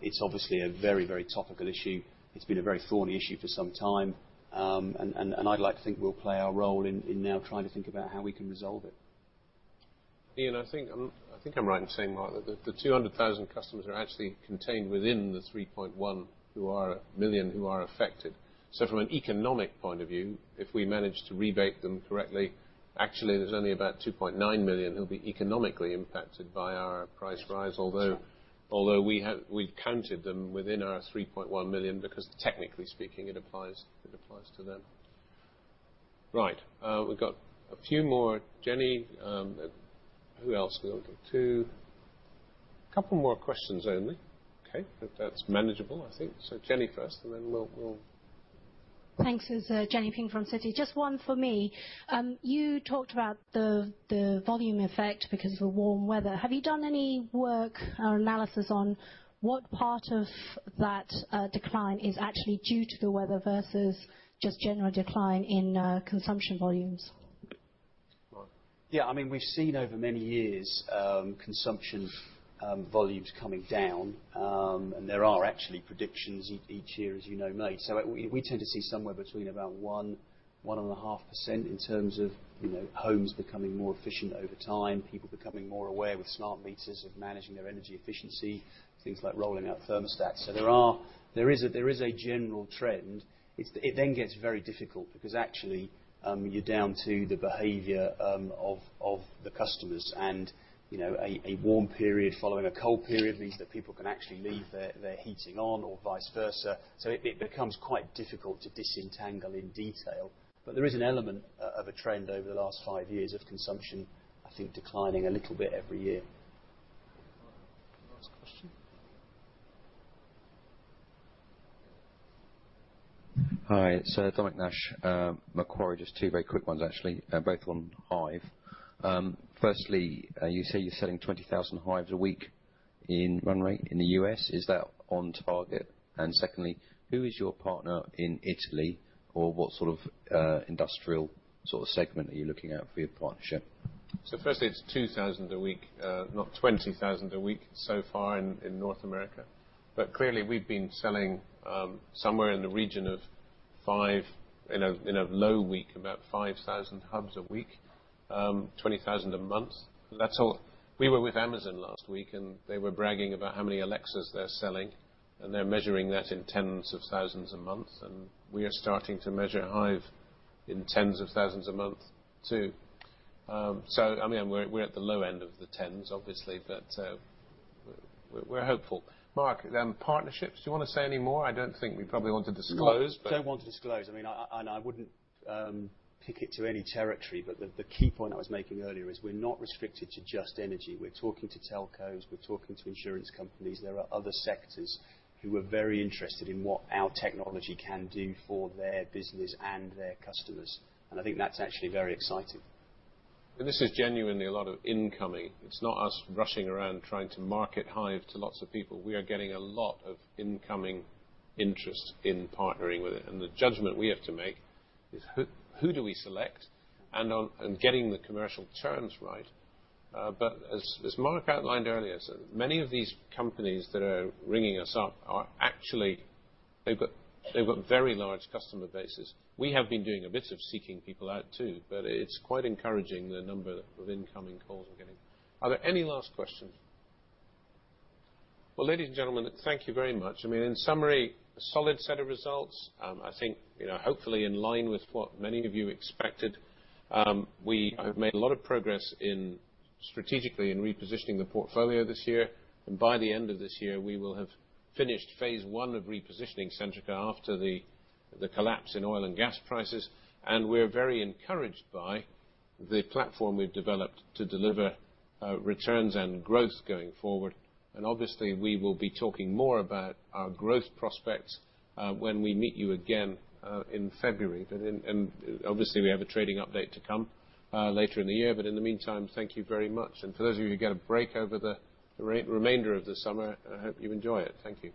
[SPEAKER 4] It's obviously a very topical issue. It's been a very thorny issue for some time. I'd like to think we'll play our role in now trying to think about how we can resolve it.
[SPEAKER 1] Iain, I think I'm right in saying, Mark, that the 200,000 customers are actually contained within the 3.1 million who are affected. From an economic point of view, if we manage to rebate them correctly, actually, there's only about 2.9 million who'll be economically impacted by our price rise. Although we've counted them within our 3.1 million because technically speaking, it applies to them. Right. We've got a few more. Jenny. Who else do we got? Two. Couple more questions only. Okay. That's manageable, I think. Jenny first, and then we'll
[SPEAKER 15] Thanks. It's Jenny Ping from Citi. Just one for me. You talked about the volume effect because of the warm weather. Have you done any work or analysis on what part of that decline is actually due to the weather versus just general decline in consumption volumes?
[SPEAKER 1] Mark?
[SPEAKER 4] We've seen over many years consumption volumes coming down. There are actually predictions each year, as you know, made. We tend to see somewhere between about 1%-1.5% in terms of homes becoming more efficient over time, people becoming more aware with smart meters of managing their energy efficiency, things like rolling out thermostats. There is a general trend. It gets very difficult because actually, you're down to the behavior of the customers, a warm period following a cold period means that people can actually leave their heating on or vice versa. It becomes quite difficult to disentangle in detail. There is an element of a trend over the last five years of consumption, I think declining a little bit every year.
[SPEAKER 1] Last question.
[SPEAKER 16] Hi, it's Dominic Nash, Macquarie. Two very quick ones actually, both on Hive. Firstly, you say you're selling 20,000 Hives a week in run rate in the U.S. Is that on target? Secondly, who is your partner in Italy? What sort of industrial segment are you looking at for your partnership?
[SPEAKER 1] Firstly, it's 2,000 a week, not 20,000 a week so far in North America. Clearly we've been selling somewhere in the region of 5, in a low week, about 5,000 hubs a week, 20,000 a month. We were with Amazon last week, they were bragging about how many Alexas they're selling, they're measuring that in tens of thousands a month. We are starting to measure Hive in tens of thousands a month too. We're at the low end of the tens, obviously, we're hopeful. Mark, partnerships, do you want to say any more? I don't think we probably want to disclose.
[SPEAKER 4] No. Don't want to disclose. I wouldn't pick it to any territory. The key point I was making earlier is we're not restricted to just energy. We're talking to telcos. We're talking to insurance companies. There are other sectors who are very interested in what our technology can do for their business and their customers. I think that's actually very exciting.
[SPEAKER 1] This is genuinely a lot of incoming. It's not us rushing around trying to market Hive to lots of people. We are getting a lot of incoming interest in partnering with it, and the judgment we have to make is who do we select and getting the commercial terms right. As Mark outlined earlier, many of these companies that are ringing us up are actually They've got very large customer bases. It's quite encouraging the number of incoming calls we're getting. Are there any last questions? Well, ladies and gentlemen, thank you very much. In summary, a solid set of results. I think hopefully in line with what many of you expected. We have made a lot of progress strategically in repositioning the portfolio this year. By the end of this year, we will have finished phase one of repositioning Centrica after the collapse in oil and gas prices. We're very encouraged by the platform we've developed to deliver returns and growth going forward. Obviously, we will be talking more about our growth prospects when we meet you again in February. Obviously, we have a trading update to come later in the year. In the meantime, thank you very much. For those of you who get a break over the remainder of the summer, I hope you enjoy it. Thank you